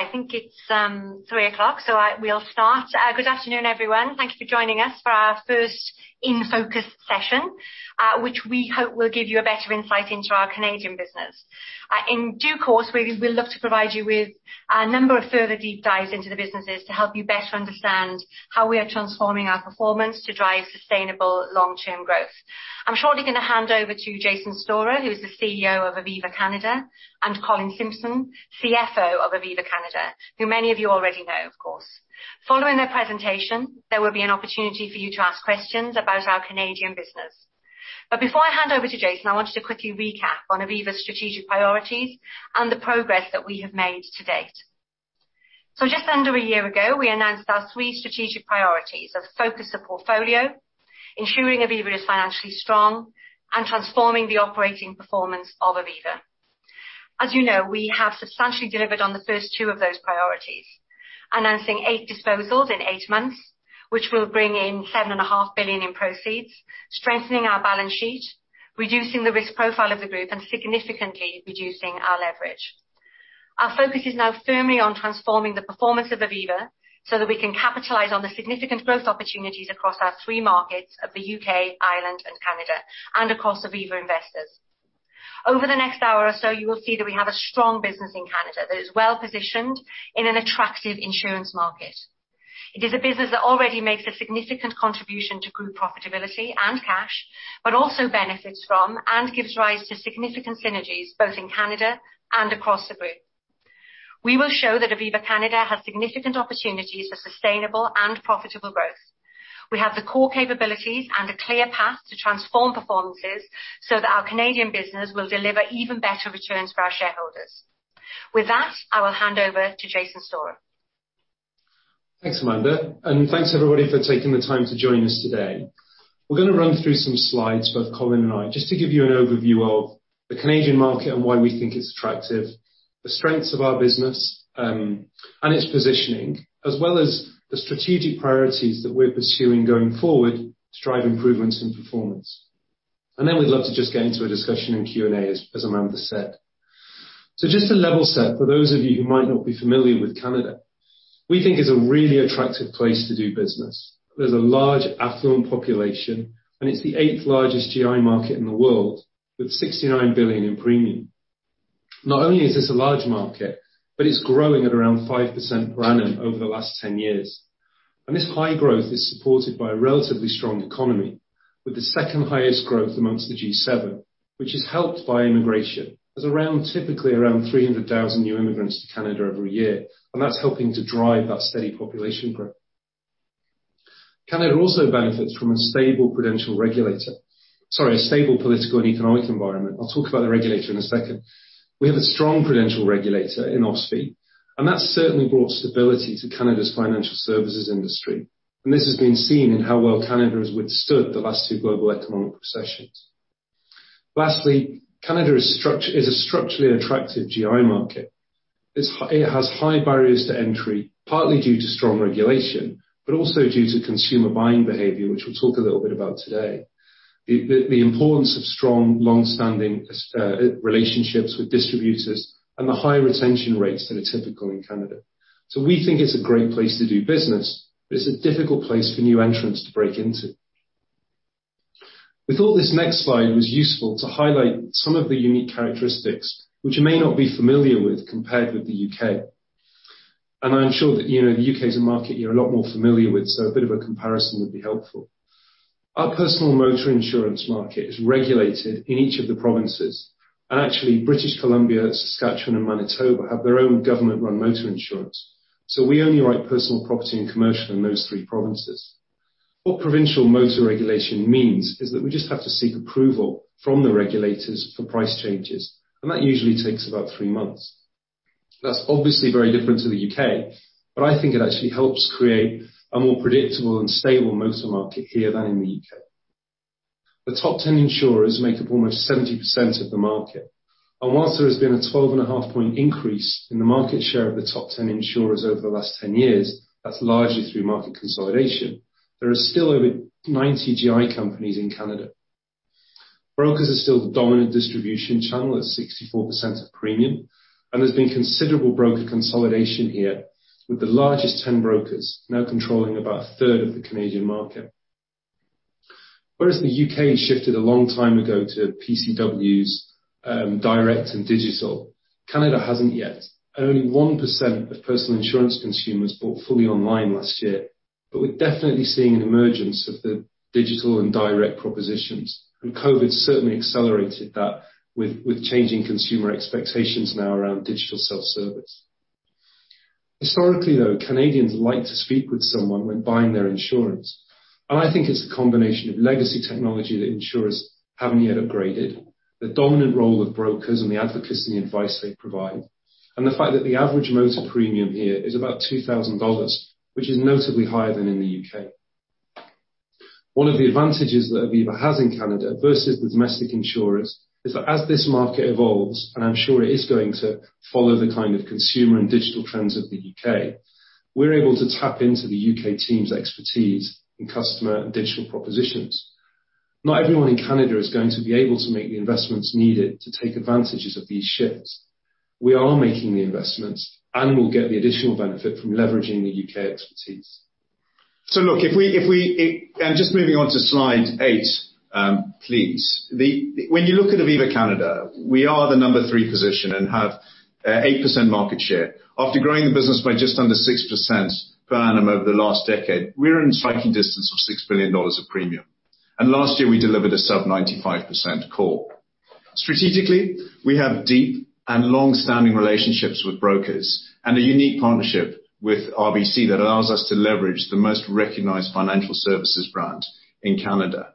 Okay, I think it's 3:00 P.M., so we'll start. Good afternoon, everyone. Thank you for joining us for our first In Focus session, which we hope will give you a better insight into our Canadian business. In due course, we'd love to provide you with a number of further deep dives into the businesses to help you better understand how we are transforming our performance to drive sustainable long-term growth. I'm shortly going to hand over to Jason Storah, who is the CEO of Aviva Canada, and Colin Simpson, CFO of Aviva Canada, who many of you already know, of course. Following their presentation, there will be an opportunity for you to ask questions about our Canadian business. But before I hand over to Jason, I wanted to quickly recap on Aviva's strategic priorities and the progress that we have made to date. So just under a year ago, we announced our three strategic priorities of focus of portfolio, ensuring Aviva is financially strong, and transforming the operating performance of Aviva. As you know, we have substantially delivered on the first two of those priorities, announcing eight disposals in eight months, which will bring in 7.5 billion in proceeds, strengthening our balance sheet, reducing the risk profile of the group, and significantly reducing our leverage. Our focus is now firmly on transforming the performance of Aviva so that we can capitalize on the significant growth opportunities across our three markets of the U.K., Ireland, and Canada, and across Aviva Investors. Over the next hour or so, you will see that we have a strong business in Canada that is well positioned in an attractive insurance market. It is a business that already makes a significant contribution to group profitability and cash, but also benefits from and gives rise to significant synergies both in Canada and across the group. We will show that Aviva Canada has significant opportunities for sustainable and profitable growth. We have the COR capabilities and a clear path to transform performances so that our Canadian business will deliver even better returns for our shareholders. With that, I will hand over to Jason Storah. Thanks, Amanda. Thanks, everybody, for taking the time to join us today. We're going to run through some slides, both Colin and I, just to give you an overview of the Canadian market and why we think it's attractive, the strengths of our business and its positioning, as well as the strategic priorities that we're pursuing going forward to drive improvements in performance. Then we'd love to just get into a discussion and Q&A, as Amanda said. Just to level set, for those of you who might not be familiar with Canada, we think it's a really attractive place to do business. There's a large affluent population, and it's the eighth largest GI market in the world, with 69 billion in premium. Not only is this a large market, but it's growing at around 5% per annum over the last 10 years. This high growth is supported by a relatively strong economy, with the second highest growth among the G7, which is helped by immigration, as around typically 300,000 new immigrants to Canada every year. That's helping to drive that steady population growth. Canada also benefits from a stable prudential regulator, sorry, a stable political and economic environment. I'll talk about the regulator in a second. We have a strong prudential regulator in OSFI, and that's certainly brought stability to Canada's financial services industry. This has been seen in how well Canada has withstood the last two global economic recessions. Lastly, Canada is a structurally attractive GI market. It has high barriers to entry, partly due to strong regulation, but also due to consumer buying behavior, which we'll talk a little bit about today, the importance of strong, long-standing relationships with distributors, and the high retention rates that are typical in Canada. So we think it's a great place to do business, but it's a difficult place for new entrants to break into. We thought this next slide was useful to highlight some of the unique characteristics, which you may not be familiar with compared with the U.K. I'm sure that the U.K. is a market you're a lot more familiar with, so a bit of a comparison would be helpful. Our personal motor insurance market is regulated in each of the provinces. Actually, British Columbia, Saskatchewan, and Manitoba have their own government-run motor insurance. So we only write personal property and commercial in those three provinces. What provincial motor regulation means is that we just have to seek approval from the regulators for price changes. That usually takes about three months. That's obviously very different to the U.K., but I think it actually helps create a more predictable and stable motor market here than in the U.K. The top 10 insurers make up almost 70% of the market. Whilst there has been a 12.5-point increase in the market share of the top 10 insurers over the last 10 years, that's largely through market consolidation. There are still over 90 GI companies in Canada. Brokers are still the dominant distribution channel at 64% of premium. There's been considerable broker consolidation here, with the largest 10 brokers now controlling about a third of the Canadian market. Whereas the U.K. shifted a long time ago to PCWs, direct and digital, Canada hasn't yet. Only 1% of personal insurance consumers bought fully online last year. We're definitely seeing an emergence of the digital and direct propositions. COVID certainly accelerated that with changing consumer expectations now around digital self-service. Historically, though, Canadians like to speak with someone when buying their insurance. I think it's a combination of legacy technology that insurers haven't yet upgraded, the dominant role of brokers and the advocacy and advice they provide, and the fact that the average motor premium here is about 2,000 dollars, which is notably higher than in the U.K. One of the advantages that Aviva has in Canada versus the domestic insurers is that as this market evolves, and I'm sure it is going to follow the kind of consumer and digital trends of the U.K., we're able to tap into the U.K. team's expertise in customer and digital propositions. Not everyone in Canada is going to be able to make the investments needed to take advantages of these shifts. We are making the investments and will get the additional benefit from leveraging the U.K. expertise. So look, if we and just moving on to slide eight, please, when you look at Aviva Canada, we are the number three position and have 8% market share. After growing the business by just under 6% per annum over the last decade, we're in striking distance of 6 billion dollars of premium. And last year, we delivered a sub-95% COR. Strategically, we have deep and long-standing relationships with brokers and a unique partnership with RBC that allows us to leverage the most recognized financial services brand in Canada.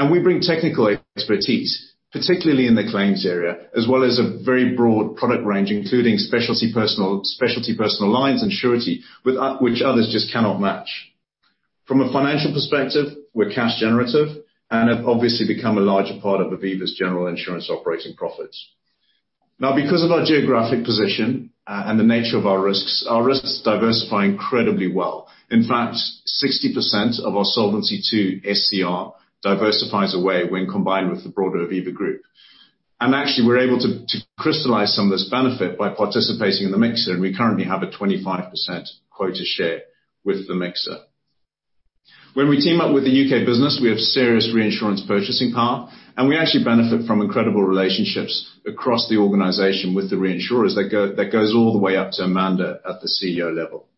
And we bring technical expertise, particularly in the claims area, as well as a very broad product range, including specialty personal lines and surety, which others just cannot match. From a financial perspective, we're cash generative and have obviously become a larger part of Aviva's general insurance operating profits. Now, because of our geographic position and the nature of our risks, our risks diversify incredibly well. In fact, 60% of our Solvency II SCR diversifies away when combined with the broader Aviva group. Actually, we're able to crystallize some of this benefit by participating in the mixer. We currently have a 25% quota share with the mixer. When we team up with the U.K. business, we have serious reinsurance purchasing power. We actually benefit from incredible relationships across the organization with the reinsurers that goes all the way up to Amanda at the CEO level.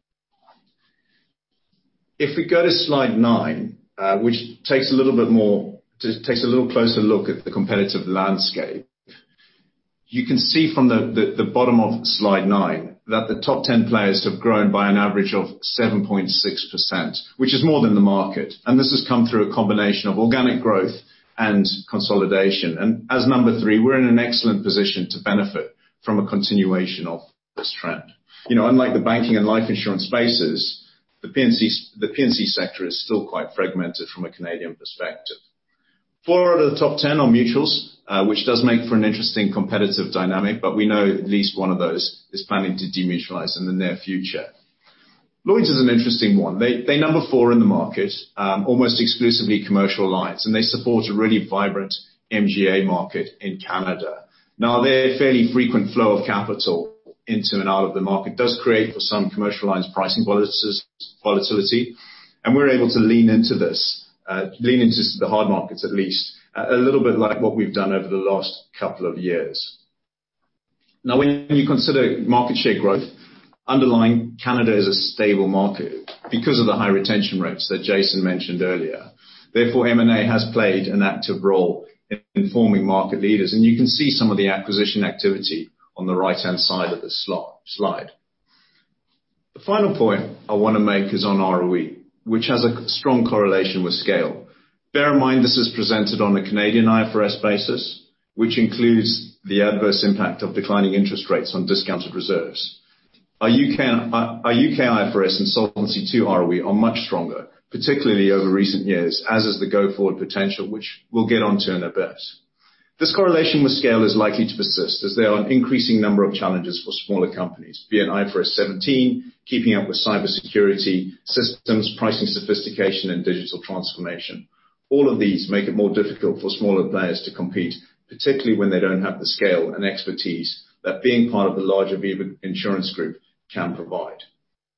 If we go to slide nine, which takes a little closer look at the competitive landscape, you can see from the bottom of slide nine that the top 10 players have grown by an average of 7.6%, which is more than the market. This has come through a combination of organic growth and consolidation. As number three, we're in an excellent position to benefit from a continuation of this trend. Unlike the banking and life insurance spaces, the P&C sector is still quite fragmented from a Canadian perspective. four out of the top 10 are mutuals, which does make for an interesting competitive dynamic. We know at least one of those is planning to demutualize in the near future. Lloyd's is an interesting one. They number four in the market, almost exclusively commercial lines. And they support a really vibrant MGA market in Canada. Now, their fairly frequent flow of capital into and out of the market does create for some commercial lines pricing volatility. We're able to lean into this, lean into the hard markets at least, a little bit like what we've done over the last couple of years. Now, when you consider market share growth, underlying Canada is a stable market because of the high retention rates that Jason mentioned earlier. Therefore, M&A has played an active role in forming market leaders. And you can see some of the acquisition activity on the right-hand side of the slide. The final point I want to make is on ROE, which has a strong correlation with scale. Bear in mind this is presented on a Canadian IFRS basis, which includes the adverse impact of declining interest rates on discounted reserves. Our U.K. IFRS and Solvency II ROE are much stronger, particularly over recent years, as is the go-forward potential, which we'll get on to in a bit. This correlation with scale is likely to persist as there are an increasing number of challenges for smaller companies, be it IFRS 17, keeping up with cybersecurity systems, pricing sophistication, and digital transformation. All of these make it more difficult for smaller players to compete, particularly when they don't have the scale and expertise that being part of the larger Aviva insurance group can provide.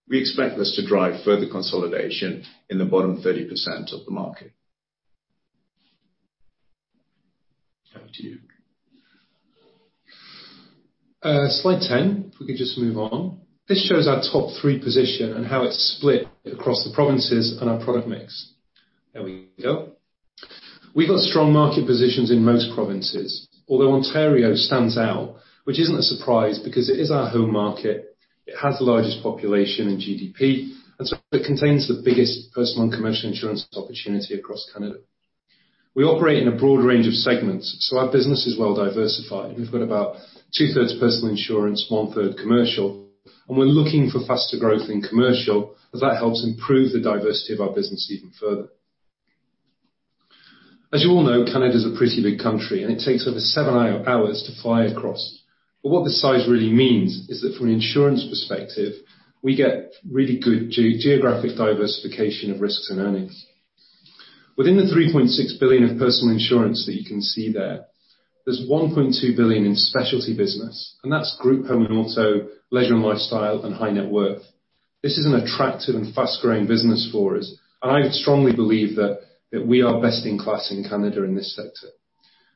We expect this to drive further consolidation in the bottom 30% of the market. Slide 10, if we could just move on. This shows our top-three position and how it's split across the provinces and our product mix. There we go. We've got strong market positions in most provinces, although Ontario stands out, which isn't a surprise because it is our home market. It has the largest population and GDP, and so it contains the biggest personal and commercial insurance opportunity across Canada. We operate in a broad range of segments, so our business is well diversified. We've got about 2/3 personal insurance, 1/3 commercial. We're looking for faster growth in commercial as that helps improve the diversity of our business even further. As you all know, Canada is a pretty big country, and it takes over seven hours to fly across. What this size really means is that from an insurance perspective, we get really good geographic diversification of risks and earnings. Within the 3.6 billion of personal insurance that you can see there, there's 1.2 billion in specialty business. That's group home and auto, leisure and lifestyle, and high net worth. This is an attractive and fast-growing business for us. I strongly believe that we are best in class in Canada in this sector.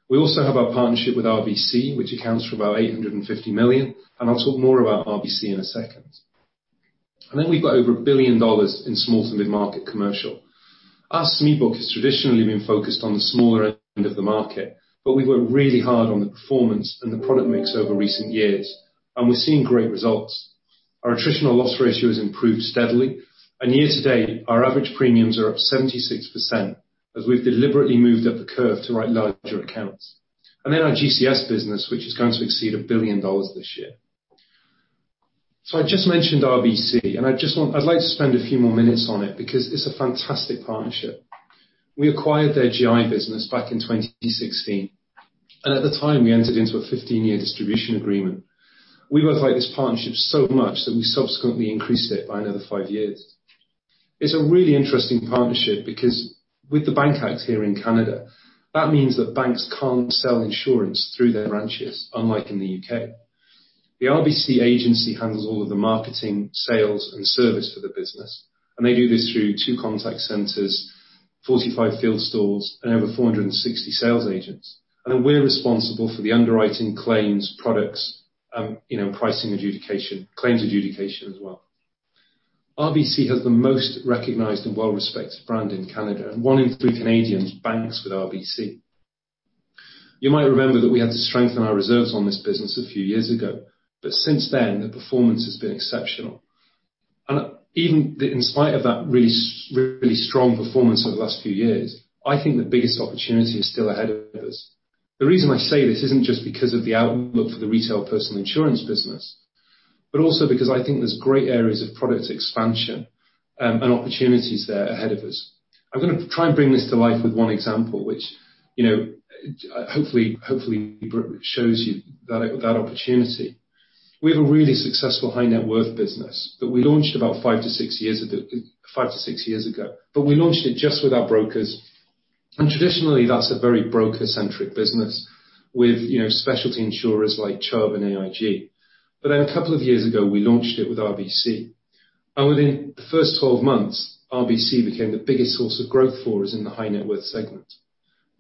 We also have our partnership with RBC, which accounts for about 850 million. I'll talk more about RBC in a second. Then we've got over 1 billion dollars in small to mid-market commercial. Our SME book has traditionally been focused on the smaller end of the market, but we've worked really hard on the performance and the product mix over recent years. We're seeing great results. Our attritional loss ratio has improved steadily. Year to date, our average premiums are up 76% as we've deliberately moved up the curve to write larger accounts. Then our GCS business, which is going to exceed 1 billion dollars this year. So I just mentioned RBC, and I'd like to spend a few more minutes on it because it's a fantastic partnership. We acquired their GI business back in 2016. At the time, we entered into a 15-year distribution agreement. We both liked this partnership so much that we subsequently increased it by another five years. It's a really interesting partnership because with the bank act here in Canada, that means that banks can't sell insurance through their branches, unlike in the U.K. The RBC agency handles all of the marketing, sales, and service for the business. They do this through two contact centers, 45 field stores, and over 460 sales agents. Then we're responsible for the underwriting, claims, products, and pricing adjudication, claims adjudication as well. RBC has the most recognized and well-respected brand in Canada. One in three Canadians banks with RBC. You might remember that we had to strengthen our reserves on this business a few years ago. But since then, the performance has been exceptional. Even in spite of that really strong performance over the last few years, I think the biggest opportunity is still ahead of us. The reason I say this isn't just because of the outlook for the retail personal insurance business, but also because I think there's great areas of product expansion and opportunities there ahead of us. I'm going to try and bring this to life with one example, which hopefully shows you that opportunity. We have a really successful high net worth business that we launched about five to six years ago. But we launched it just with our brokers. And traditionally, that's a very broker-centric business with specialty insurers like Chubb and AIG. But then a couple of years ago, we launched it with RBC. And within the first 12 months, RBC became the biggest source of growth for us in the high net worth segment.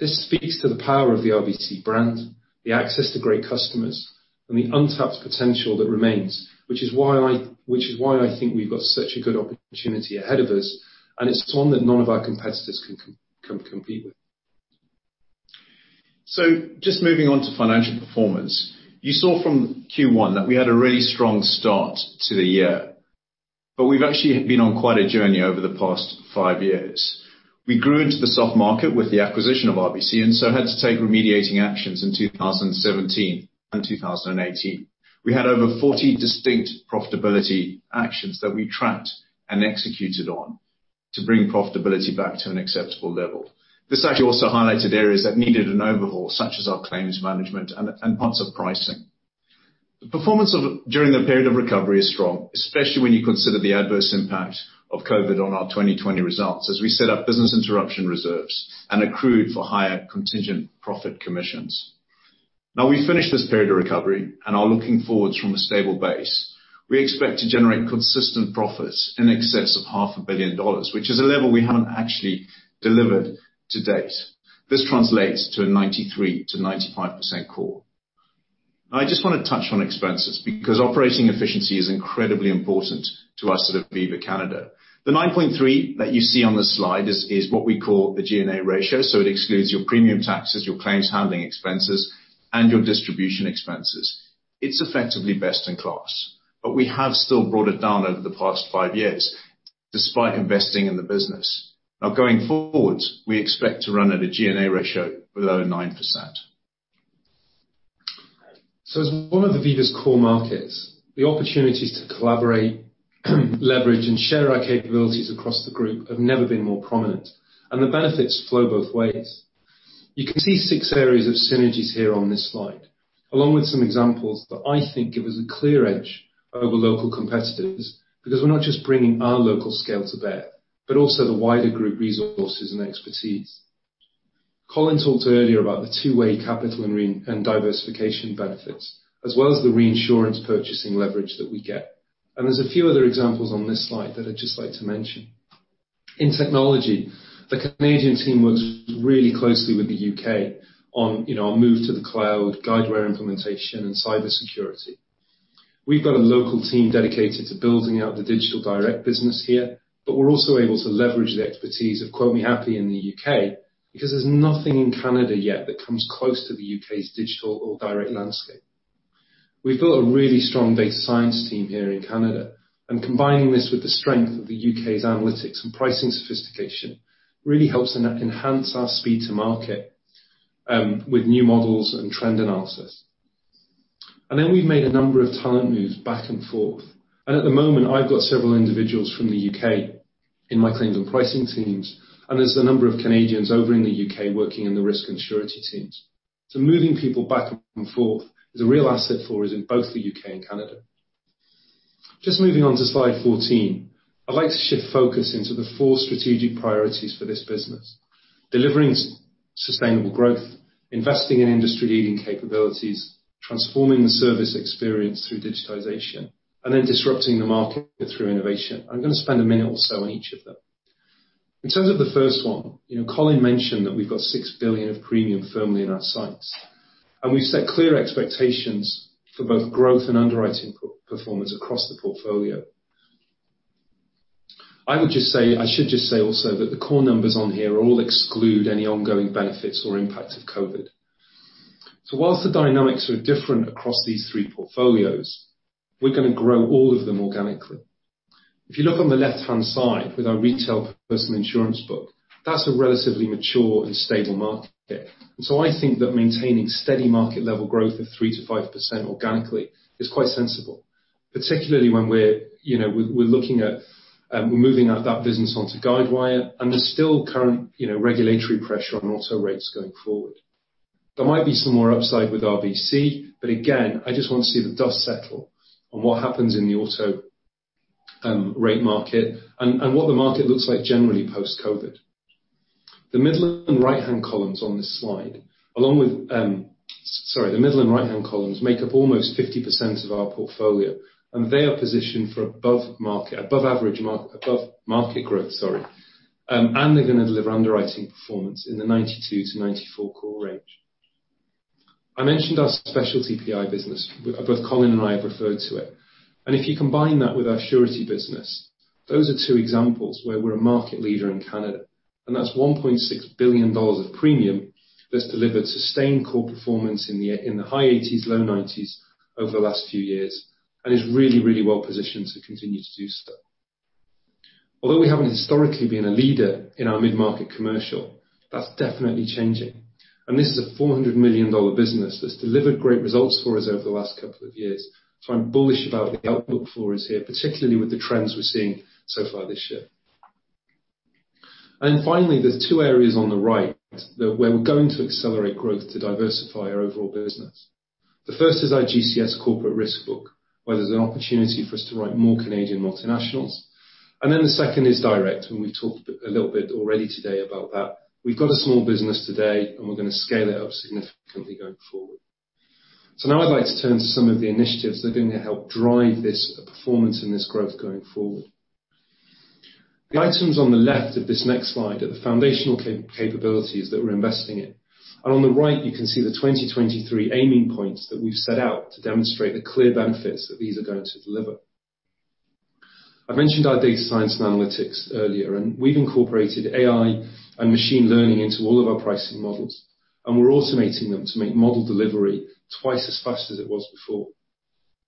This speaks to the power of the RBC brand, the access to great customers, and the untapped potential that remains, which is why I think we've got such a good opportunity ahead of us. And it's one that none of our competitors can compete with. Just moving on to financial performance, you saw from Q1 that we had a really strong start to the year. But we've actually been on quite a journey over the past five years. We grew into the soft market with the acquisition of RBC and so had to take remediating actions in 2017 and 2018. We had over 40 distinct profitability actions that we tracked and executed on to bring profitability back to an acceptable level. This actually also highlighted areas that needed an overhaul, such as our claims management and parts of pricing. The performance during the period of recovery is strong, especially when you consider the adverse impact of COVID on our 2020 results as we set up business interruption reserves and accrued for higher contingent profit commissions. Now we've finished this period of recovery and are looking forward from a stable base. We expect to generate consistent profits in excess of 500 million dollars, which is a level we haven't actually delivered to date. This translates to a 93%-95% COR. I just want to touch on expenses because operating efficiency is incredibly important to us at Aviva Canada. The 9.3 that you see on the slide is what we call the G&A ratio. So it excludes your premium taxes, your claims handling expenses, and your distribution expenses. It's effectively best in class. But we have still brought it down over the past five years despite investing in the business. Now going forwards, we expect to run at a G&A ratio below 9%. As one of Aviva's COR markets, the opportunities to collaborate, leverage, and share our capabilities across the group have never been more prominent. The benefits flow both ways. You can see six areas of synergies here on this slide, along with some examples that I think give us a clear edge over local competitors because we're not just bringing our local scale to bear, but also the wider group resources and expertise. Colin talked earlier about the two-way capital and diversification benefits, as well as the reinsurance purchasing leverage that we get. There's a few other examples on this slide that I'd just like to mention. In technology, the Canadian team works really closely with the U.K. on our move to the cloud, Guidewire implementation, and cybersecurity. We've got a local team dedicated to building out the digital direct business here. But we're also able to leverage the expertise of Quote Me Happy in the U.K. because there's nothing in Canada yet that comes close to the U.K.'s digital or direct landscape. We've built a really strong data science team here in Canada. And combining this with the strength of the U.K.'s analytics and pricing sophistication really helps enhance our speed to market with new models and trend analysis. And then we've made a number of talent moves back and forth. And at the moment, I've got several individuals from the U.K. in my claims and pricing teams. And there's a number of Canadians over in the U.K. working in the risk and surety teams. So moving people back and forth is a real asset for us in both the U.K. and Canada. Just moving on to slide 14, I'd like to shift focus into the four strategic priorities for this business: delivering sustainable growth, investing in industry-leading capabilities, transforming the service experience through digitization, and then disrupting the market through innovation. I'm going to spend a minute or so on each of them. In terms of the first one, Colin mentioned that we've got 6 billion of premium firmly in our sights. We've set clear expectations for both growth and underwriting performance across the portfolio. I would just say, I should just say also that the COR numbers on here all exclude any ongoing benefits or impact of COVID. While the dynamics are different across these three portfolios, we're going to grow all of them organically. If you look on the left-hand side with our retail personal insurance book, that's a relatively mature and stable market. So I think that maintaining steady market-level growth of 3%-5% organically is quite sensible, particularly when we're looking at moving that business onto Guidewire and there's still current regulatory pressure on auto rates going forward. There might be some more upside with RBC. But again, I just want to see the dust settle on what happens in the auto rate market and what the market looks like generally post-COVID. The middle and right-hand columns on this slide, along with, sorry, the middle and right-hand columns make up almost 50% of our portfolio. And they are positioned for above market, above average market, above market growth, sorry. And they're going to deliver underwriting performance in the 92%-94% COR range. I mentioned our specialty PI business. Both Colin and I have referred to it. If you combine that with our surety business, those are two examples where we're a market leader in Canada. That's 1.6 billion dollars of premium that's delivered sustained COR performance in the high 80s, low 90s over the last few years and is really, really well positioned to continue to do so. Although we haven't historically been a leader in our mid-market commercial, that's definitely changing. This is a 400 million dollar business that's delivered great results for us over the last couple of years. So I'm bullish about the outlook for us here, particularly with the trends we're seeing so far this year. And then finally, there's two areas on the right where we're going to accelerate growth to diversify our overall business. The first is our GCS corporate risk book, where there's an opportunity for us to write more Canadian multinationals. And then the second is direct, and we've talked a little bit already today about that. We've got a small business today, and we're going to scale it up significantly going forward. So now I'd like to turn to some of the initiatives that are going to help drive this performance and this growth going forward. The items on the left of this next slide are the foundational capabilities that we're investing in. And on the right, you can see the 2023 aiming points that we've set out to demonstrate the clear benefits that these are going to deliver. I've mentioned our data science and analytics earlier. And we've incorporated AI and machine learning into all of our pricing models. And we're automating them to make model delivery twice as fast as it was before.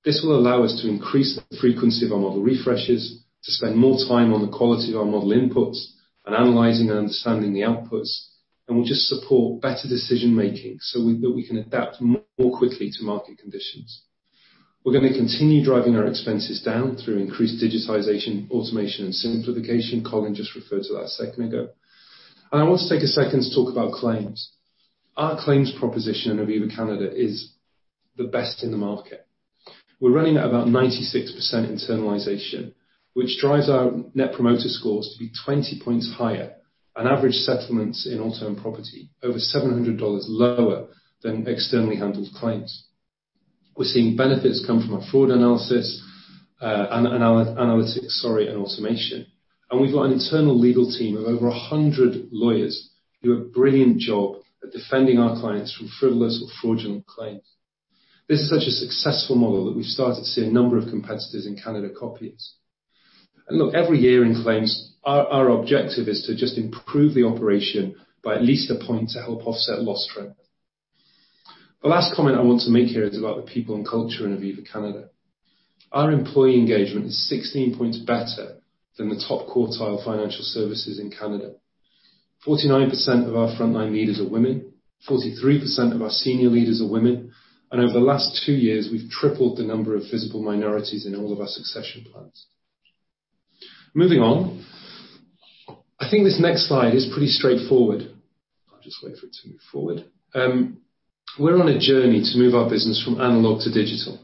This will allow us to increase the frequency of our model refreshes, to spend more time on the quality of our model inputs and analyzing and understanding the outputs. We'll just support better decision-making so that we can adapt more quickly to market conditions. We're going to continue driving our expenses down through increased digitization, automation, and simplification. Colin just referred to that a second ago. I want to take a second to talk about claims. Our claims proposition at Aviva Canada is the best in the market. We're running at about 96% internalization, which drives our net promoter scores to be 20 points higher and average settlements in auto and property over 700 dollars lower than externally handled claims. We're seeing benefits come from our fraud analysis and analytics, sorry, and automation. We've got an internal legal team of over 100 lawyers who do a brilliant job at defending our clients from frivolous or fraudulent claims. This is such a successful model that we've started to see a number of competitors in Canada copy us. Look, every year in claims, our objective is to just improve the operation by at least a point to help offset loss threat. The last comment I want to make here is about the people and culture in Aviva Canada. Our employee engagement is 16 points better than the top quartile financial services in Canada. 49% of our frontline leaders are women. 43% of our senior leaders are women. And over the last two years, we've tripled the number of visible minorities in all of our succession plans. Moving on, I think this next slide is pretty straightforward. I'll just wait for it to move forward. We're on a journey to move our business from analog to digital.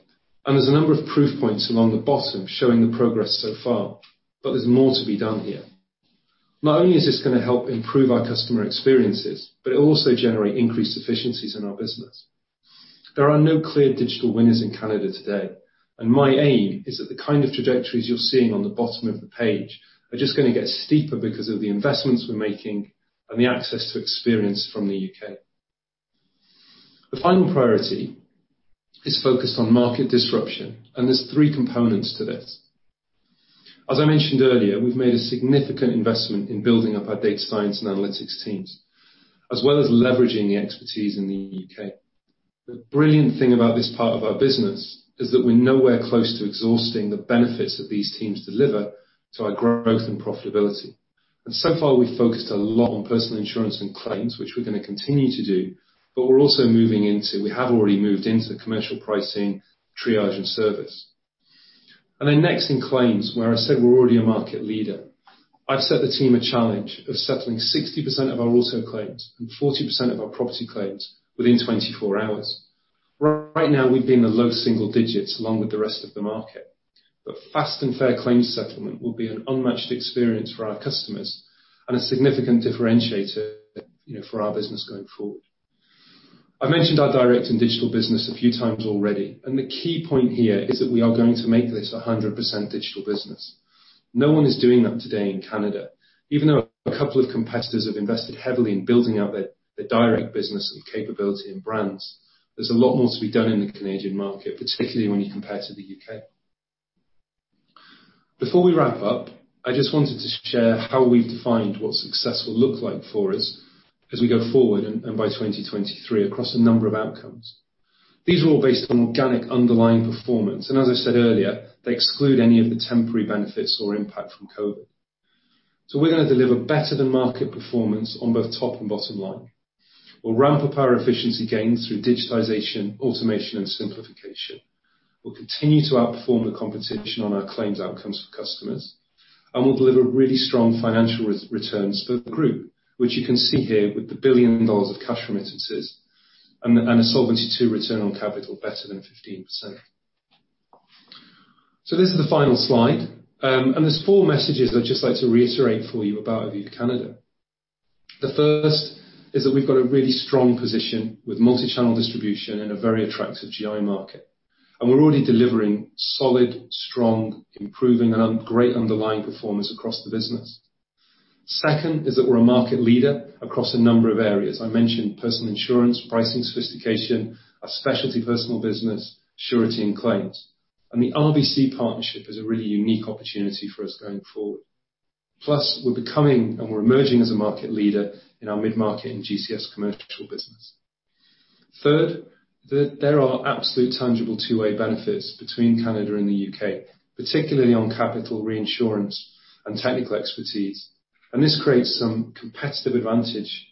There's a number of proof points along the bottom showing the progress so far. There's more to be done here. Not only is this going to help improve our customer experiences, but it'll also generate increased efficiencies in our business. There are no clear digital winners in Canada today. My aim is that the kind of trajectories you're seeing on the bottom of the page are just going to get steeper because of the investments we're making and the access to experience from the U.K. The final priority is focused on market disruption. There's three components to this. As I mentioned earlier, we've made a significant investment in building up our data science and analytics teams, as well as leveraging the expertise in the U.K. The brilliant thing about this part of our business is that we're nowhere close to exhausting the benefits that these teams deliver to our growth and profitability. And so far, we've focused a lot on personal insurance and claims, which we're going to continue to do. But we're also moving into we have already moved into commercial pricing, triage, and service. And then next in claims, where I said we're already a market leader, I've set the team a challenge of settling 60% of our auto claims and 40% of our property claims within 24 hours. Right now, we've been in the low single digits along with the rest of the market. But fast and fair claims settlement will be an unmatched experience for our customers and a significant differentiator for our business going forward. I've mentioned our direct and digital business a few times already. The key point here is that we are going to make this a 100% digital business. No one is doing that today in Canada. Even though a couple of competitors have invested heavily in building out their direct business and capability and brands, there's a lot more to be done in the Canadian market, particularly when you compare to the U.K. Before we wrap up, I just wanted to share how we've defined what success will look like for us as we go forward and by 2023 across a number of outcomes. These are all based on organic underlying performance. As I said earlier, they exclude any of the temporary benefits or impact from COVID. We're going to deliver better than market performance on both top and bottom line. We'll ramp up our efficiency gains through digitization, automation, and simplification. We'll continue to outperform the competition on our claims outcomes for customers. We'll deliver really strong financial returns for the group, which you can see here with 1 billion dollars of cash remittances and a Solvency II return on capital better than 15%. This is the final slide. There's four messages I'd just like to reiterate for you about Aviva Canada. The first is that we've got a really strong position with multi-channel distribution in a very attractive GI market. We're already delivering solid, strong, improving, and great underlying performance across the business. Second is that we're a market leader across a number of areas. I mentioned personal insurance, pricing sophistication, our specialty personal business, surety, and claims. The RBC partnership is a really unique opportunity for us going forward. Plus, we're becoming and we're emerging as a market leader in our mid-market and GCS commercial business. Third, there are absolute tangible two-way benefits between Canada and the U.K., particularly on capital reinsurance and technical expertise. And this creates some competitive advantages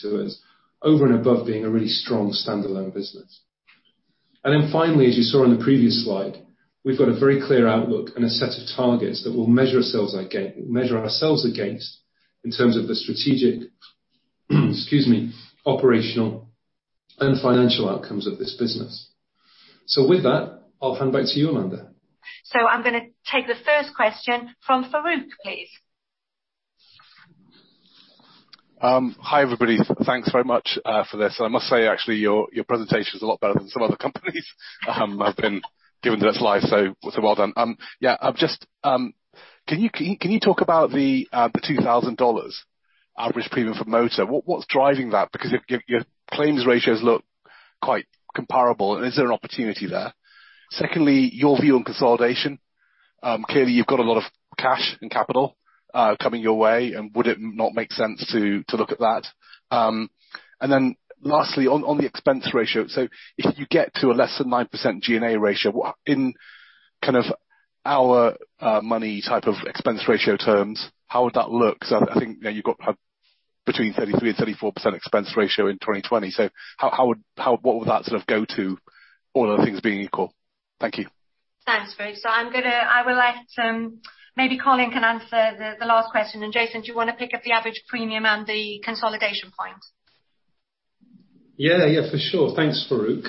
to us over and above being a really strong standalone business. And then finally, as you saw on the previous slide, we've got a very clear outlook and a set of targets that we'll measure ourselves against in terms of the strategic, excuse me, operational and financial outcomes of this business. So with that, I'll hand back to you, Amanda. So I'm going to take the first question from Farooq, please. Hi everybody. Thanks very much for this. I must say, actually, your presentation is a lot better than some other companies have been given to this live. So well done. Yeah, can you talk about the 2,000 dollars average premium for motor? What's driving that? Because your claims ratios look quite comparable. And is there an opportunity there? Secondly, your view on consolidation. Clearly, you've got a lot of cash and capital coming your way. And would it not make sense to look at that? And then lastly, on the expense ratio, so if you get to a less than 9% G&A ratio, in kind of our money type of expense ratio terms, how would that look? So I think you've got between 33%-34% expense ratio in 2020. So what would that sort of go to, all other things being equal? Thank you. Thanks, Farooq. So I will let maybe Colin can answer the last question. And Jason, do you want to pick up the average premium and the consolidation point? Yeah, yeah, for sure. Thanks, Farooq.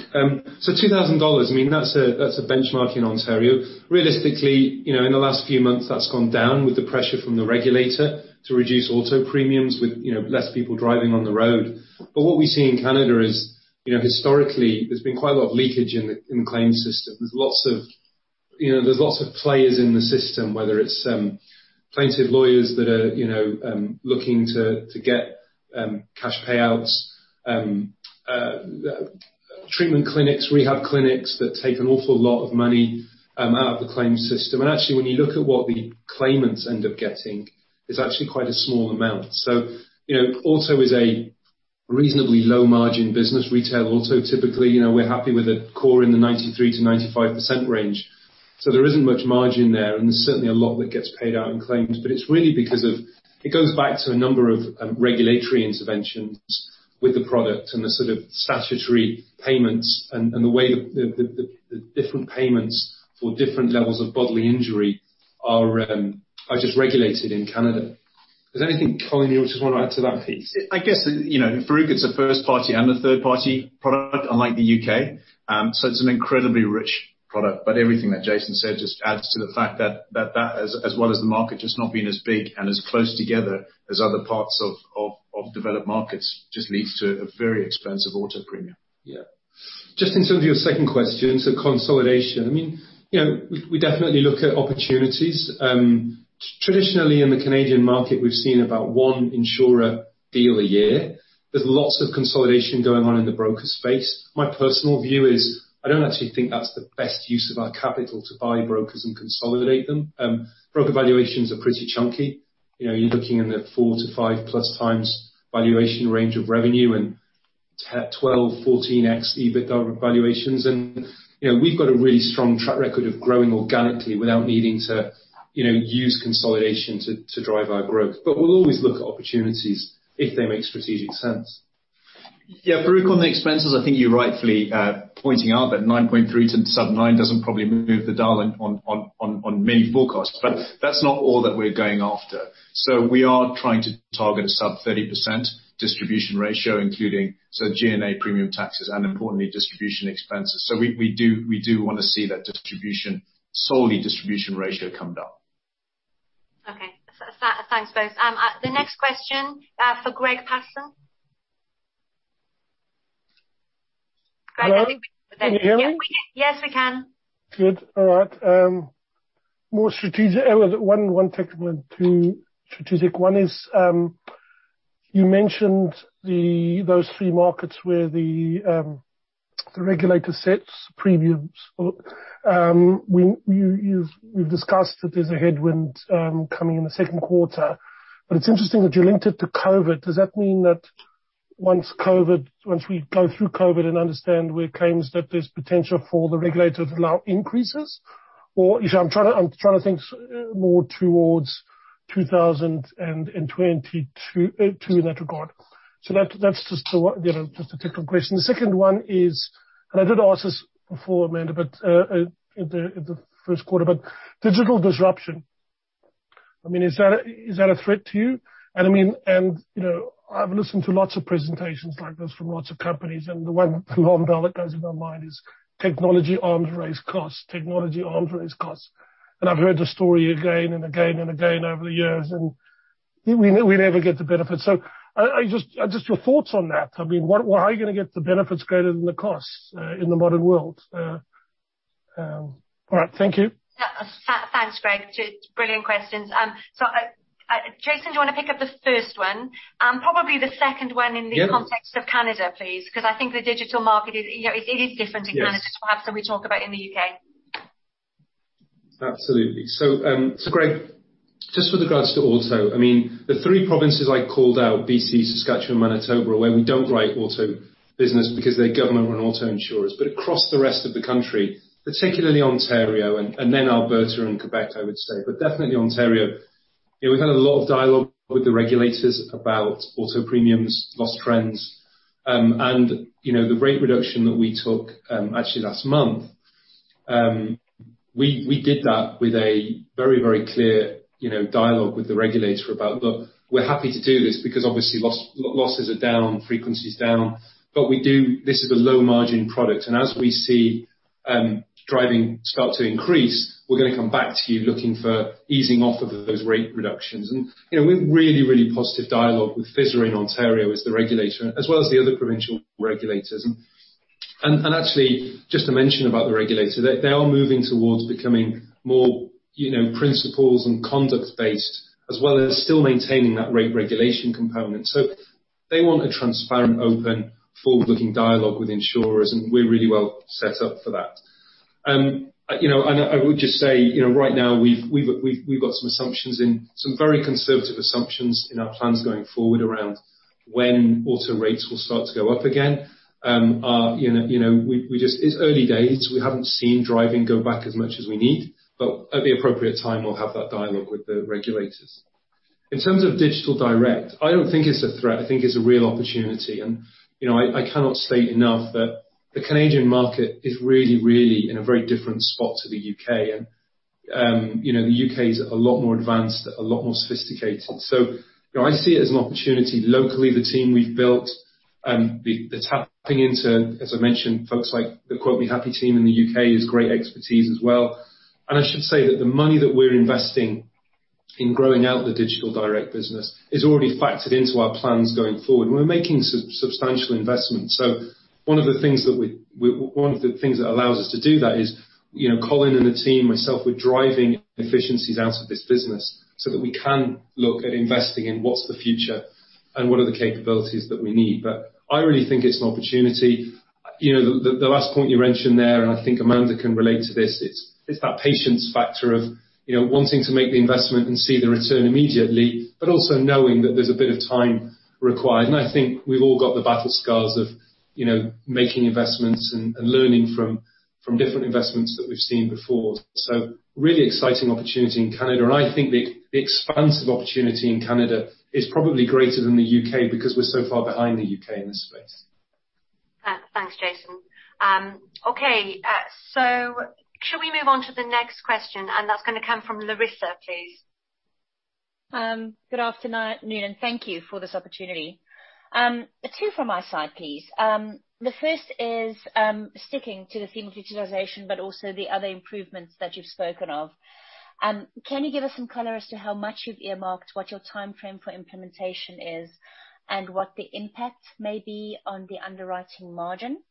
So 2,000 dollars, I mean, that's a benchmark in Ontario. Realistically, in the last few months, that's gone down with the pressure from the regulator to reduce auto premiums with less people driving on the road. But what we see in Canada is historically, there's been quite a lot of leakage in the claim system. There's lots of players in the system, whether it's plaintiff lawyers that are looking to get cash payouts, treatment clinics, rehab clinics that take an awful lot of money out of the claim system. And actually, when you look at what the claimants end up getting, it's actually quite a small amount. So auto is a reasonably low-margin business. Retail auto, typically, we're happy with a COR in the 93%-95% range. So there isn't much margin there. And there's certainly a lot that gets paid out in claims. But it's really because, it goes back to a number of regulatory interventions with the product and the sort of statutory payments and the way the different payments for different levels of bodily injury are just regulated in Canada. Is there anything, Colin, you just want to add to that piece? I guess, Farooq, it's a first-party and a third-party product, unlike the U.K. So it's an incredibly rich product. But everything that Jason said just adds to the fact that, as well as the market just not being as big and as close together as other parts of developed markets, just leads to a very expensive auto premium. Yeah. Just in terms of your second question, so consolidation, I mean, we definitely look at opportunities. Traditionally, in the Canadian market, we've seen about one insurer deal a year. There's lots of consolidation going on in the broker space. My personal view is I don't actually think that's the best use of our capital to buy brokers and consolidate them. Broker valuations are pretty chunky. You're looking in the 4x-5x plus valuation range of revenue and 12x-14x EBITDA valuations. And we've got a really strong track record of growing organically without needing to use consolidation to drive our growth. But we'll always look at opportunities if they make strategic sense. Yeah, Farooq, on the expenses, I think you're rightfully pointing out that 9.3 to sub 9 doesn't probably move the dial on many forecasts. But that's not all that we're going after. So we are trying to target a sub-30% distribution ratio, including G&A premium taxes and, importantly, distribution expenses. So we do want to see that solely distribution ratio come down. Okay. Thanks, both. The next question for Greig Paterson. Greg, I think we can. Yes, we can. Good. All right. One technical and two strategic. One is you mentioned those three markets where the regulator sets premiums. We've discussed that there's a headwind coming in the second quarter. But it's interesting that you linked it to COVID. Does that mean that once we go through COVID and understand where claims that there's potential for the regulator to allow increases? Or I'm trying to think more towards 2022 in that regard. So that's just a technical question. The second one is, and I did ask this before, Amanda, but in the first quarter, but digital disruption. I mean, is that a threat to you? And I mean, I've listened to lots of presentations like this from lots of companies. And the one that alarm bell that goes in my mind is technology arms race costs. Technology arms race costs. And I've heard the story again and again and again over the years. And we never get the benefits. So just your thoughts on that. I mean, how are you going to get the benefits greater than the costs in the modern world? All right. Thank you. Thanks, Greg. Brilliant questions. So Jason, do you want to pick up the first one? Probably the second one in the context of Canada, please. Because I think the digital market, it is different in Canada to perhaps than we talk about in the U.K. Absolutely. So Greg, just with regards to auto, I mean, the three provinces I called out, BC, Saskatchewan, Manitoba, where we don't write auto business because they're government-run auto insurers. But across the rest of the country, particularly Ontario, and then Alberta and Quebec, I would say, but definitely Ontario, we've had a lot of dialogue with the regulators about auto premiums, loss trends, and the rate reduction that we took actually last month. We did that with a very, very clear dialogue with the regulator about, "Look, we're happy to do this because obviously losses are down, frequency is down. But this is a low-margin product. And as we see driving start to increase, we're going to come back to you looking for easing off of those rate reductions." And we've really, really positive dialogue with FSRA in Ontario as the regulator, as well as the other provincial regulators. And actually, just to mention about the regulator, they are moving towards becoming more principles- and conduct-based, as well as still maintaining that rate regulation component. So they want a transparent, open, forward-looking dialogue with insurers. And we're really well set up for that. And I would just say right now, we've got some assumptions in some very conservative assumptions in our plans going forward around when auto rates will start to go up again. It's early days. We haven't seen driving go back as much as we need. But at the appropriate time, we'll have that dialogue with the regulators. In terms of digital direct, I don't think it's a threat. I think it's a real opportunity. And I cannot state enough that the Canadian market is really, really in a very different spot to the U.K. And the U.K. is a lot more advanced, a lot more sophisticated. So I see it as an opportunity. Locally, the team we've built, the tapping into, as I mentioned, folks like the Quote Me Happy team in the U.K., is great expertise as well. I should say that the money that we're investing in growing out the digital direct business is already factored into our plans going forward. We're making substantial investments. So one of the things that allows us to do that is Colin and the team, myself; we're driving efficiencies out of this business so that we can look at investing in what's the future and what are the capabilities that we need. But I really think it's an opportunity. The last point you mentioned there, and I think Amanda can relate to this, it's that patience factor of wanting to make the investment and see the return immediately, but also knowing that there's a bit of time required. I think we've all got the battle scars of making investments and learning from different investments that we've seen before. So really exciting opportunity in Canada. I think the expansive opportunity in Canada is probably greater than the U.K. because we're so far behind the U.K. in this space. Thanks, Jason. Okay. So should we move on to the next question? That's going to come from Larissa, please. Good afternoon. Thank you for this opportunity. Two from my side, please. The first is sticking to the theme of utilization, but also the other improvements that you've spoken of. Can you give us some color as to how much you've earmarked, what your timeframe for implementation is, and what the impact may be on the underwriting margin?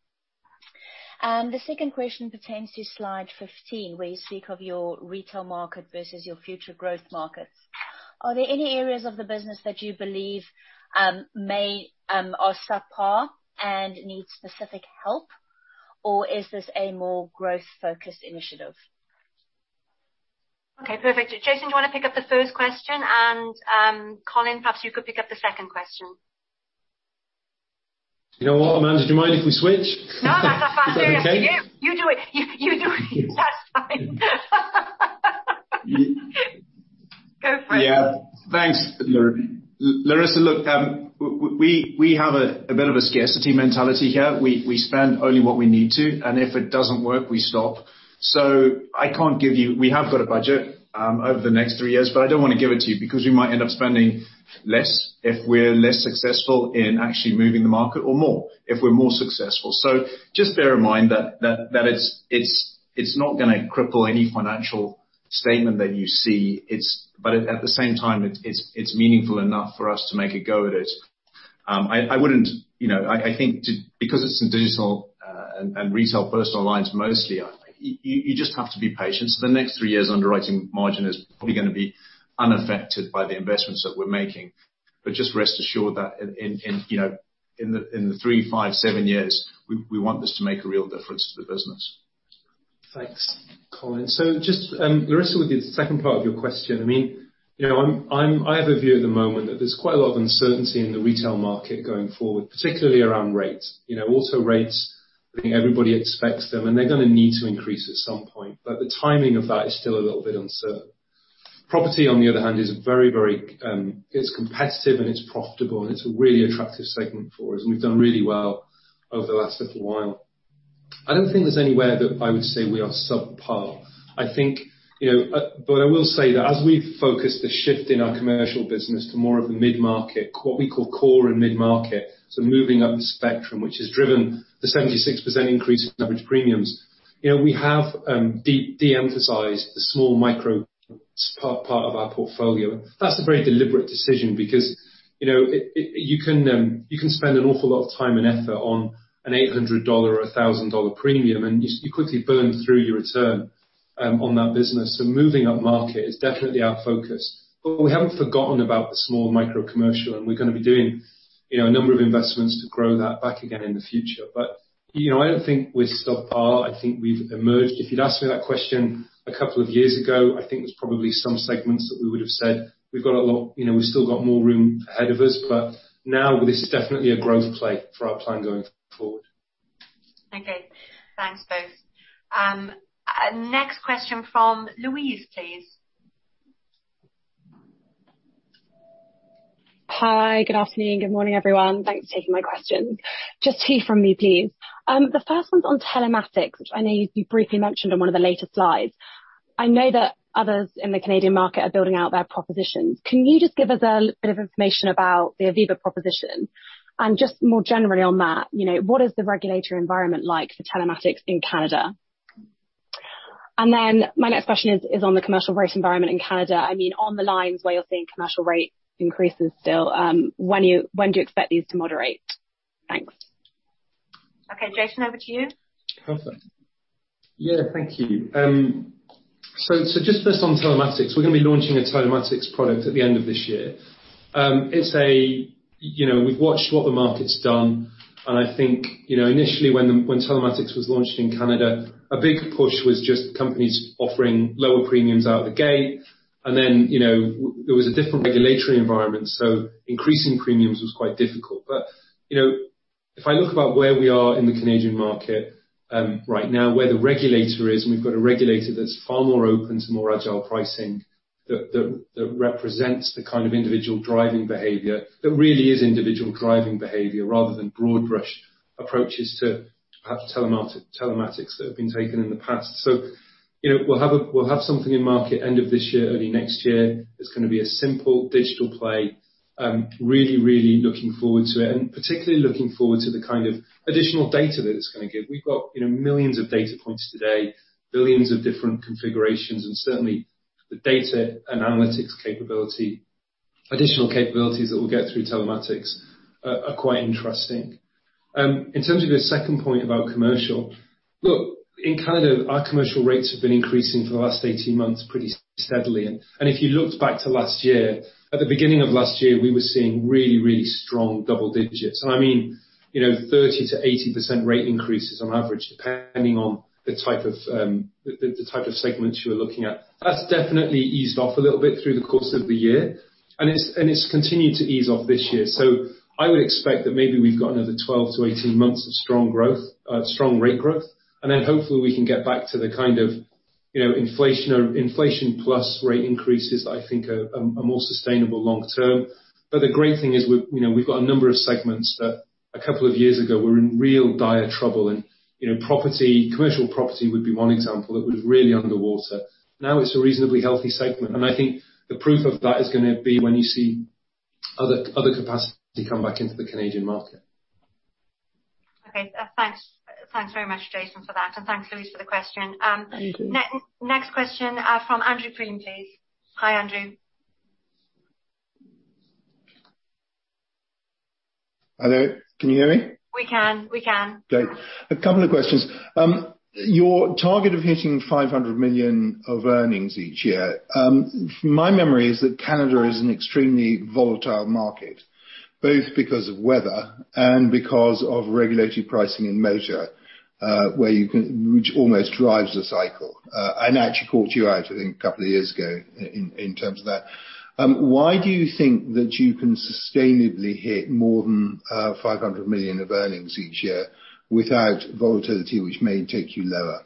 The second question pertains to slide 15, where you speak of your retail market versus your future growth markets. Are there any areas of the business that you believe may or subpar and need specific help? Or is this a more growth-focused initiative? Okay. Perfect. Jason, do you want to pick up the first question? And Colin, perhaps you could pick up the second question. You know what, Amanda, do you mind if we switch? No, that's fine. You do it. You do it. That's fine. Go for it. Yeah. Thanks, Larissa. Look, we have a bit of a scarcity mentality here. We spend only what we need to. And if it doesn't work, we stop. So I can't give you we have got a budget over the next three years, but I don't want to give it to you because we might end up spending less if we're less successful in actually moving the market or more if we're more successful. So just bear in mind that it's not going to cripple any financial statement that you see. But at the same time, it's meaningful enough for us to make a go at it. I wouldn't I think because it's in digital and retail personal lines mostly, you just have to be patient. So the next three years, underwriting margin is probably going to be unaffected by the investments that we're making. But just rest assured that in the three, five, seven years, we want this to make a real difference to the business. Thanks, Colin. So just, Larissa, with the second part of your question, I mean, I have a view at the moment that there's quite a lot of uncertainty in the retail market going forward, particularly around rates. Auto rates, I think everybody expects them. And they're going to need to increase at some point. But the timing of that is still a little bit uncertain. Property, on the other hand, is very, very, it's competitive and it's profitable. And it's a really attractive segment for us. And we've done really well over the last little while. I don't think there's anywhere that I would say we are subpar. I think but I will say that as we've focused the shift in our commercial business to more of a mid-market, what we call COR and mid-market, so moving up the spectrum, which has driven the 76% increase in average premiums, we have de-emphasized the small micro part of our portfolio. That's a very deliberate decision because you can spend an awful lot of time and effort on an 800 dollar or 1,000 dollar premium, and you quickly burn through your return on that business. So moving up market is definitely our focus. But we haven't forgotten about the small micro commercial. And we're going to be doing a number of investments to grow that back again in the future. But I don't think we're subpar. I think we've emerged. If you'd asked me that question a couple of years ago, I think there's probably some segments that we would have said, "We've got a lot, we've still got more room ahead of us." But now, this is definitely a growth play for our plan going forward. Okay. Thanks, both. Next question from Louise, please. Hi. Good afternoon. Good morning, everyone. Thanks for taking my questions. Just two from me, please. The first one's on telematics, which I know you briefly mentioned on one of the later slides. I know that others in the Canadian market are building out their propositions. Can you just give us a bit of information about the Aviva proposition? And just more generally on that, what is the regulatory environment like for telematics in Canada? And then my next question is on the commercial rate environment in Canada. I mean, on the lines where you're seeing commercial rate increases still, when do you expect these to moderate? Thanks. Okay. Jason, over to you. Perfect. Yeah. Thank you. So just first on telematics, we're going to be launching a telematics product at the end of this year. It's a we've watched what the market's done. And I think initially, when telematics was launched in Canada, a big push was just companies offering lower premiums out of the gate. And then there was a different regulatory environment. So increasing premiums was quite difficult. But if I look about where we are in the Canadian market right now, where the regulator is, and we've got a regulator that's far more open to more agile pricing that represents the kind of individual driving behavior that really is individual driving behavior rather than broad brush approaches to perhaps telematics that have been taken in the past. So we'll have something in market end of this year, early next year. It's going to be a simple digital play. Really, really looking forward to it. And particularly looking forward to the kind of additional data that it's going to give. We've got millions of data points today, billions of different configurations. And certainly, the data and analytics capability, additional capabilities that we'll get through telematics are quite interesting. In terms of your second point about commercial, look, in Canada, our commercial rates have been increasing for the last 18 months pretty steadily. And if you looked back to last year, at the beginning of last year, we were seeing really, really strong double digits. And I mean, 30%-80% rate increases on average, depending on the type of segments you were looking at. That's definitely eased off a little bit through the course of the year. And it's continued to ease off this year. So I would expect that maybe we've got another 12-18 months of strong rate growth. And then hopefully, we can get back to the kind of inflation plus rate increases that I think are more sustainable long term. But the great thing is we've got a number of segments that a couple of years ago were in real dire trouble. Commercial property would be one example that was really underwater. Now, it's a reasonably healthy segment. And I think the proof of that is going to be when you see other capacity come back into the Canadian market. Okay. Thanks very much, Jason, for that. And thanks, Louise, for the question. Thank you. Next question from Andrew Crean, please. Hi, Andrew. Hello. Can you hear me? We can. We can. Okay. A couple of questions. Your target of hitting 500 million of earnings each year, my memory is that Canada is an extremely volatile market, both because of weather and because of regulated pricing in motor, which almost drives the cycle. I actually caught you out, I think, a couple of years ago in terms of that. Why do you think that you can sustainably hit more than 500 million of earnings each year without volatility, which may take you lower?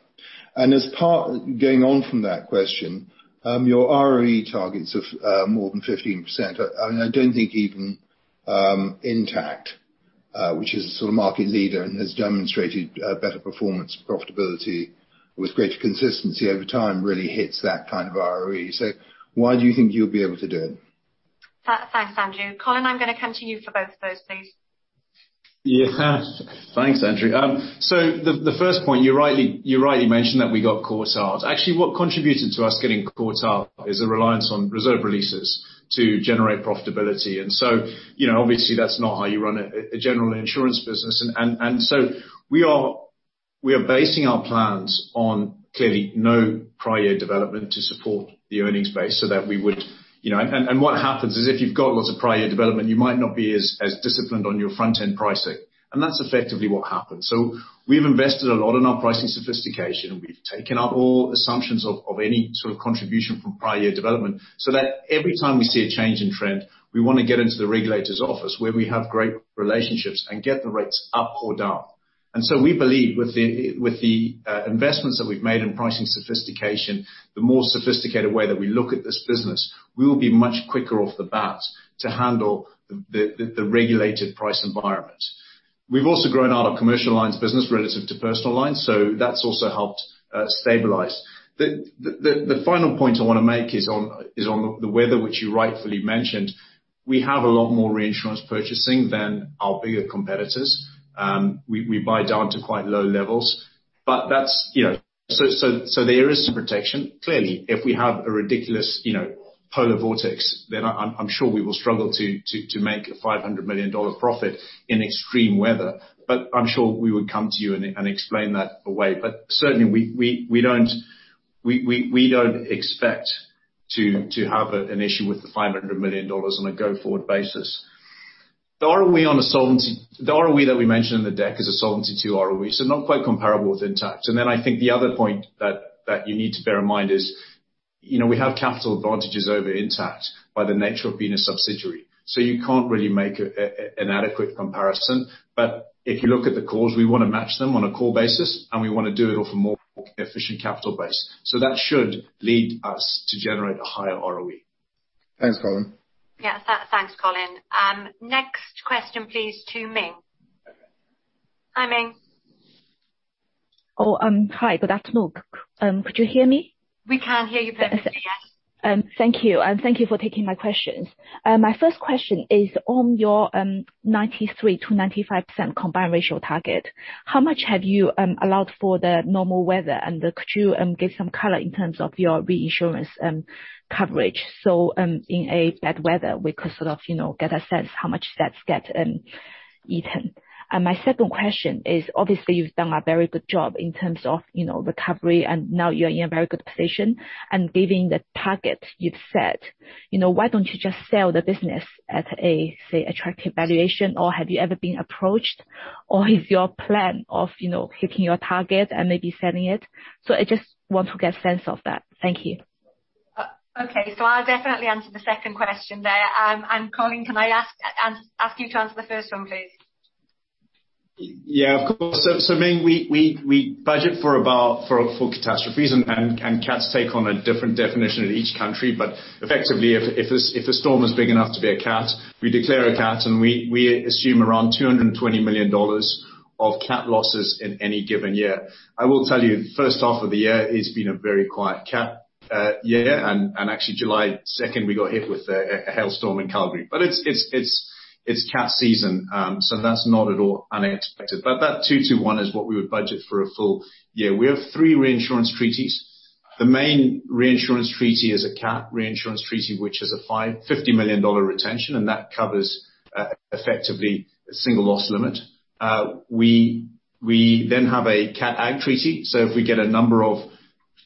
And going on from that question, your ROE targets of more than 15%, I don't think even Intact, which is a sort of market leader and has demonstrated better performance, profitability with greater consistency over time, really hits that kind of ROE. So why do you think you'll be able to do it? Thanks, Andrew. Colin, I'm going to come to you for both of those, please. Yeah. Thanks, Andrew. So the first point, you rightly mentioned that we got caught out. Actually, what contributed to us getting caught out is a reliance on reserve releases to generate profitability. And so obviously, that's not how you run a general insurance business. We are basing our plans on clearly no prior development to support the earnings base so that we would and what happens is if you've got lots of prior development, you might not be as disciplined on your front-end pricing. That's effectively what happened. We've invested a lot in our pricing sophistication. We've taken out all assumptions of any sort of contribution from prior development so that every time we see a change in trend, we want to get into the regulator's office where we have great relationships and get the rates up or down. We believe with the investments that we've made in pricing sophistication, the more sophisticated way that we look at this business, we will be much quicker off the bat to handle the regulated price environment. We've also grown out of commercial lines business relative to personal lines. So that's also helped stabilize. The final point I want to make is on the weather, which you rightfully mentioned. We have a lot more reinsurance purchasing than our bigger competitors. We buy down to quite low levels. But there is some protection. Clearly, if we have a ridiculous polar vortex, then I'm sure we will struggle to make a 500 million dollar profit in extreme weather. But I'm sure we would come to you and explain that away. But certainly, we don't expect to have an issue with the 500 million dollars on a go-forward basis. The ROE on a Solvency II, the ROE that we mentioned in the deck is a Solvency II ROE. So not quite comparable with Intact. And then I think the other point that you need to bear in mind is we have capital advantages over Intact by the nature of being a subsidiary. So you can't really make an adequate comparison. But if you look at the CORs, we want to match them on a core basis. And we want to do it off a more efficient capital base. So that should lead us to generate a higher ROE. Thanks, Colin. Yes. Thanks, Colin. Next question, please, to Ming. Hi, Ming. Oh, hi. Good afternoon. Could you hear me? We can hear you perfectly. Yes. Thank you. And thank you for taking my questions. My first question is on your 93%-95% combined ratio target. How much have you allowed for the normal weather? And could you give some color in terms of your reinsurance coverage? So in bad weather, we could sort of get a sense how much that's getting eaten. And my second question is, obviously, you've done a very good job in terms of recovery. Now, you're in a very good position. Given the target you've set, why don't you just sell the business at a, say, attractive valuation? Or have you ever been approached? Or is your plan of hitting your target and maybe selling it? I just want to get a sense of that. Thank you. Okay. I'll definitely answer the second question there. Colin, can I ask you to answer the first one, please? Yeah. Of course. Ming, we budget for catastrophes. Cats take on a different definition in each country. But effectively, if a storm is big enough to be a cat, we declare a cat. We assume around 220 million dollars of cat losses in any given year. I will tell you, first half of the year has been a very quiet cat year. Actually, July 2nd, we got hit with a hailstorm in Calgary. But it's cat season. So that's not at all unexpected. But that two to one is what we would budget for a full year. We have three reinsurance treaties. The main reinsurance treaty is a cat reinsurance treaty, which has a 50 million dollar retention. And that covers effectively a single loss limit. We then have a Cat agg treaty. So if we get a number of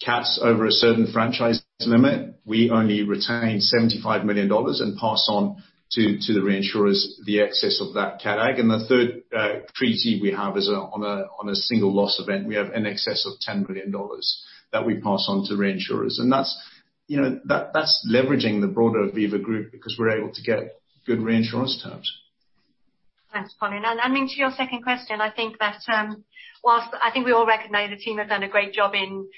cats over a certain franchise limit, we only retain 75 million dollars and pass on to the reinsurers the excess of that Cat agg. And the third treaty we have is on a single loss event. We have an excess of 10 million dollars that we pass on to reinsurers. And that's leveraging the broader Aviva Group because we're able to get good reinsurance terms. Thanks, Colin. And Ming, to your second question, I think that whilst I think we all recognize the team has done a great job in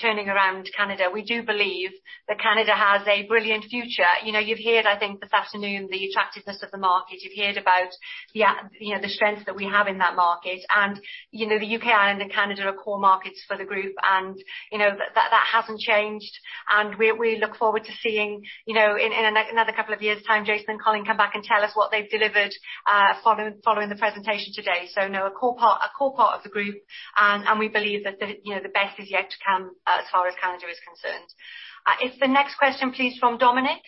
turning around Canada, we do believe that Canada has a brilliant future. You've heard, I think, this afternoon the attractiveness of the market. You've heard about the strength that we have in that market. And the U.K., Ireland and Canada are COR markets for the group. And that hasn't changed. And we look forward to seeing, in another couple of years' time, Jason and Colin come back and tell us what they've delivered following the presentation today. So a COR part of the group. And we believe that the best is yet to come as far as Canada is concerned. It's the next question, please, from Dominic.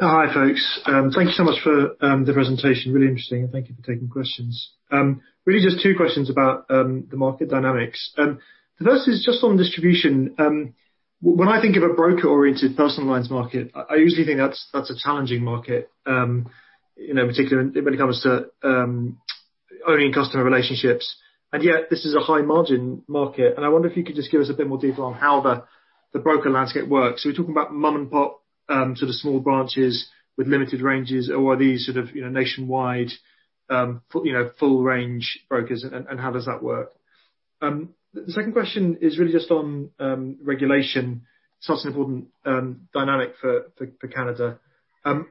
Hi, folks. Thank you so much for the presentation. Really interesting. And thank you for taking questions. Really, just two questions about the market dynamics. The first is just on distribution. When I think of a broker-oriented personal lines market, I usually think that's a challenging market, particularly when it comes to owning customer relationships. And yet, this is a high-margin market. And I wonder if you could just give us a bit more detail on how the broker landscape works. So we're talking about mom-and-pop sort of small branches with limited ranges, or are these sort of nationwide full-range brokers? And how does that work? The second question is really just on regulation. It's such an important dynamic for Canada.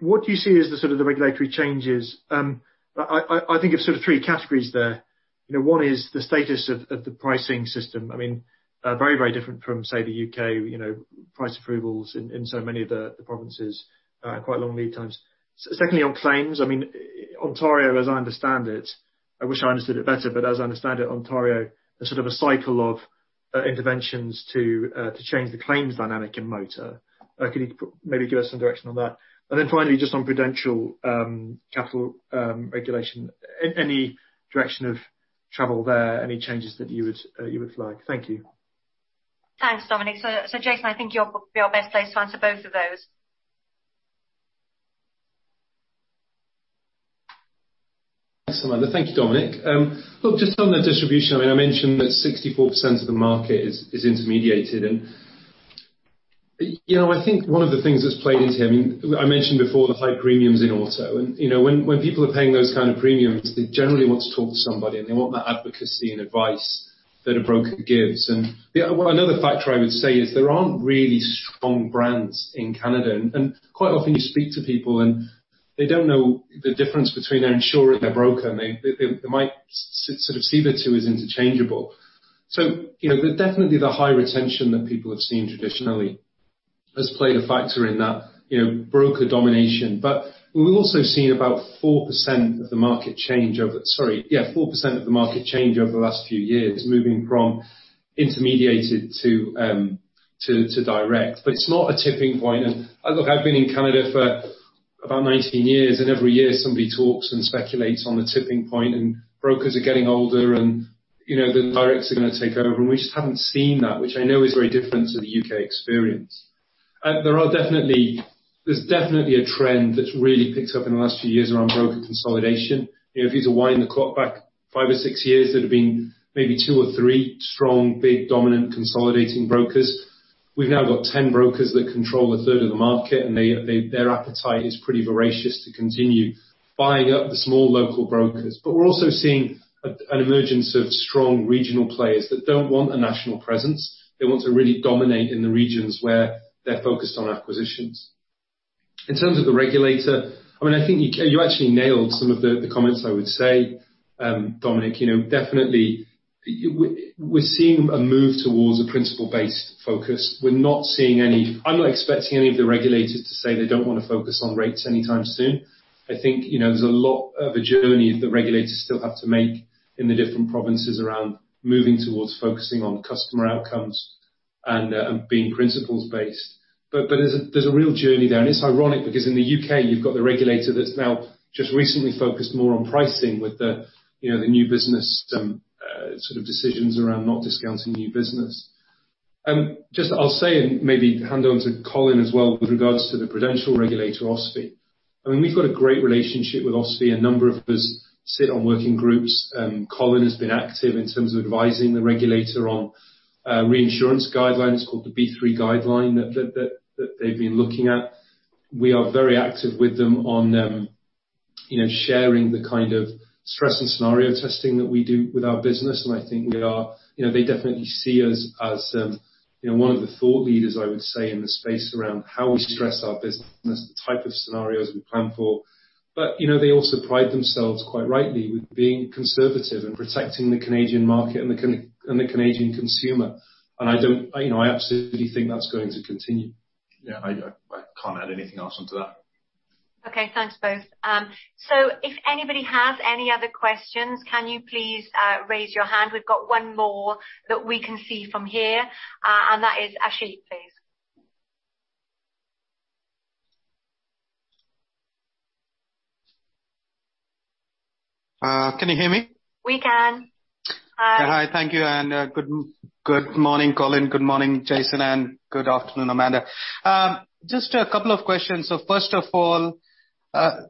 What do you see as the sort of the regulatory changes? I think of sort of three categories there. One is the status of the pricing system. I mean, very, very different from, say, the U.K. price approvals in so many of the provinces and quite long lead times. Secondly, on claims. I mean, Ontario, as I understand it, I wish I understood it better. But as I understand it, Ontario, there's sort of a cycle of interventions to change the claims dynamic in motor. Could you maybe give us some direction on that? And then finally, just on prudential capital regulation, any direction of travel there, any changes that you would like? Thank you. Thanks, Dominic. So Jason, I think you're best placed to answer both of those. Thanks, Amanda. Thank you, Dominic. Look, just on the distribution, I mean, I mentioned that 64% of the market is intermediated. And I think one of the things that's played into here, I mean, I mentioned before the high premiums in auto. When people are paying those kind of premiums, they generally want to talk to somebody. They want that advocacy and advice that a broker gives. Another factor I would say is there aren't really strong brands in Canada. Quite often, you speak to people. They don't know the difference between their insurer and their broker. They might sort of see the two as interchangeable. So definitely, the high retention that people have seen traditionally has played a factor in that broker domination. But we've also seen about 4% of the market change over, sorry, yeah, 4% of the market change over the last few years moving from intermediated to direct. But it's not a tipping point. Look, I've been in Canada for about 19 years. Every year, somebody talks and speculates on the tipping point. Brokers are getting older. The directs are going to take over. We just haven't seen that, which I know is very different to the U.K. experience. There's definitely a trend that's really picked up in the last few years around broker consolidation. If you'd wind the clock back five or six years, there'd have been maybe two or three strong, big, dominant consolidating brokers. We've now got 10 brokers that control a third of the market. Their appetite is pretty voracious to continue buying up the small local brokers. But we're also seeing an emergence of strong regional players that don't want a national presence. They want to really dominate in the regions where they're focused on acquisitions. In terms of the regulator, I mean, I think you actually nailed some of the comments I would say, Dominic. Definitely, we're seeing a move towards a principle-based focus. We're not seeing any. I'm not expecting any of the regulators to say they don't want to focus on rates anytime soon. I think there's a lot of a journey that the regulators still have to make in the different provinces around moving towards focusing on customer outcomes and being principles-based. But there's a real journey there. And it's ironic because in the U.K., you've got the regulator that's now just recently focused more on pricing with the new business sort of decisions around not discounting new business. Just I'll say and maybe hand over to Colin as well with regards to the prudential regulator, OSFI. I mean, we've got a great relationship with OSFI. A number of us sit on working groups. Colin has been active in terms of advising the regulator on reinsurance guidelines. It's called the B3 guideline that they've been looking at. We are very active with them on sharing the kind of stress and scenario testing that we do with our business. And I think they definitely see us as one of the thought leaders, I would say, in the space around how we stress our business, the type of scenarios we plan for. But they also pride themselves quite rightly with being conservative and protecting the Canadian market and the Canadian consumer. And I absolutely think that's going to continue. Yeah. I can't add anything else onto that. Okay. Thanks, both. So if anybody has any other questions, can you please raise your hand? We've got one more that we can see from here. And that is Ashik, please. Can you hear me? We can. Hi. Hi. Thank you. And good morning, Colin. Good morning, Jason. And good afternoon, Amanda. Just a couple of questions. So first of all,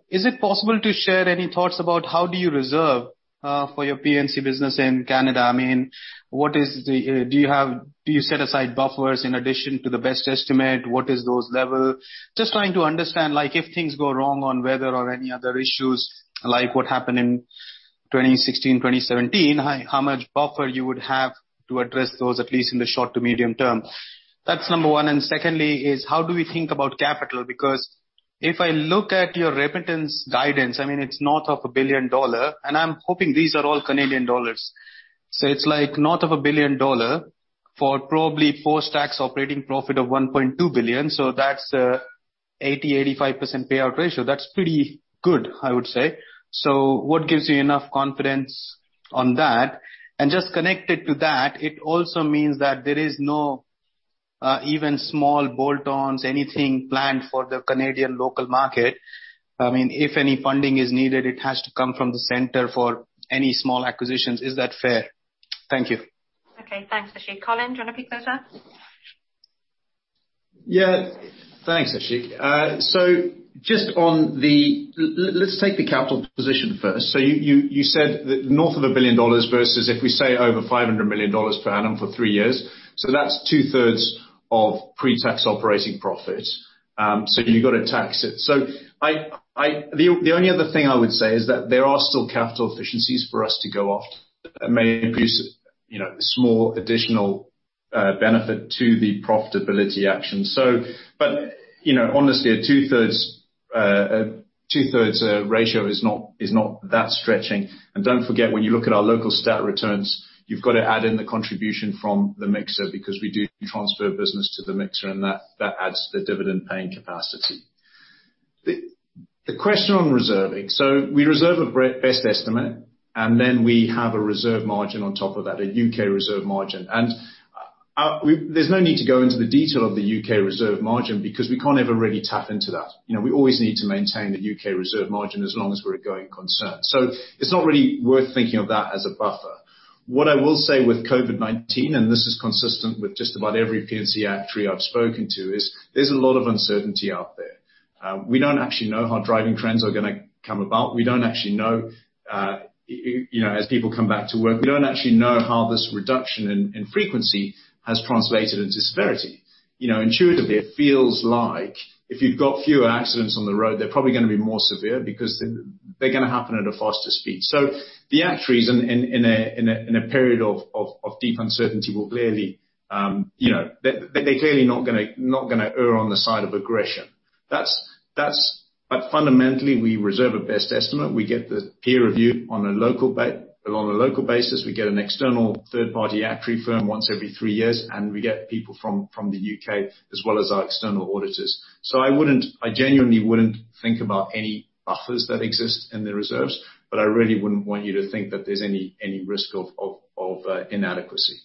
is it possible to share any thoughts about how do you reserve for your P&C business in Canada? I mean, what is the—do you set aside buffers in addition to the best estimate? What is those level? Just trying to understand if things go wrong on weather or any other issues, like what happened in 2016, 2017, how much buffer you would have to address those, at least in the short to medium term. That's number one. And secondly is how do we think about capital? Because if I look at your remittance guidance, I mean, it's north of 1 billion dollar. And I'm hoping these are all Canadian dollars. So it's north of 1 billion dollar for probably four stacks operating profit of 1.2 billion. So that's an 80%-85% payout ratio. That's pretty good, I would say. So what gives you enough confidence on that? And just connected to that, it also means that there is no even small bolt-ons, anything planned for the Canadian local market. I mean, if any funding is needed, it has to come from the center for any small acquisitions. Is that fair? Thank you. Okay. Thanks, Ashik. Colin, do you want to pick those up? Yeah. Thanks, Ashik. So just on the, let's take the capital position first. So you said north of 1 billion dollars versus if we say over 500 million dollars per annum for three years. So that's 2/3 of pre-tax operating profit. So you've got to tax it. So the only other thing I would say is that there are still capital efficiencies for us to go after that may produce a small additional benefit to the profitability action. But honestly, a 2/3 ratio is not that stretching. And don't forget, when you look at our local stat returns, you've got to add in the contribution from the mixer because we do transfer business to the mixer. And that adds to the dividend-paying capacity. The question on reserving. So we reserve a best estimate. And then we have a reserve margin on top of that, a U.K. reserve margin. And there's no need to go into the detail of the U.K. reserve margin because we can't ever really tap into that. We always need to maintain the U.K. reserve margin as long as we're a going concern. So it's not really worth thinking of that as a buffer. What I will say with COVID-19, and this is consistent with just about every P&C actuary I've spoken to, is there's a lot of uncertainty out there. We don't actually know how driving trends are going to come about. We don't actually know as people come back to work, we don't actually know how this reduction in frequency has translated into severity. Intuitively, it feels like if you've got fewer accidents on the road, they're probably going to be more severe because they're going to happen at a faster speed. So the actuaries in a period of deep uncertainty will clearly, they're clearly not going to err on the side of aggression. But fundamentally, we reserve a best estimate. We get the peer review on a local basis. We get an external third-party actuary firm once every three years. And we get people from the U.K. as well as our external auditors. So I genuinely wouldn't think about any buffers that exist in the reserves. But I really wouldn't want you to think that there's any risk of inadequacy.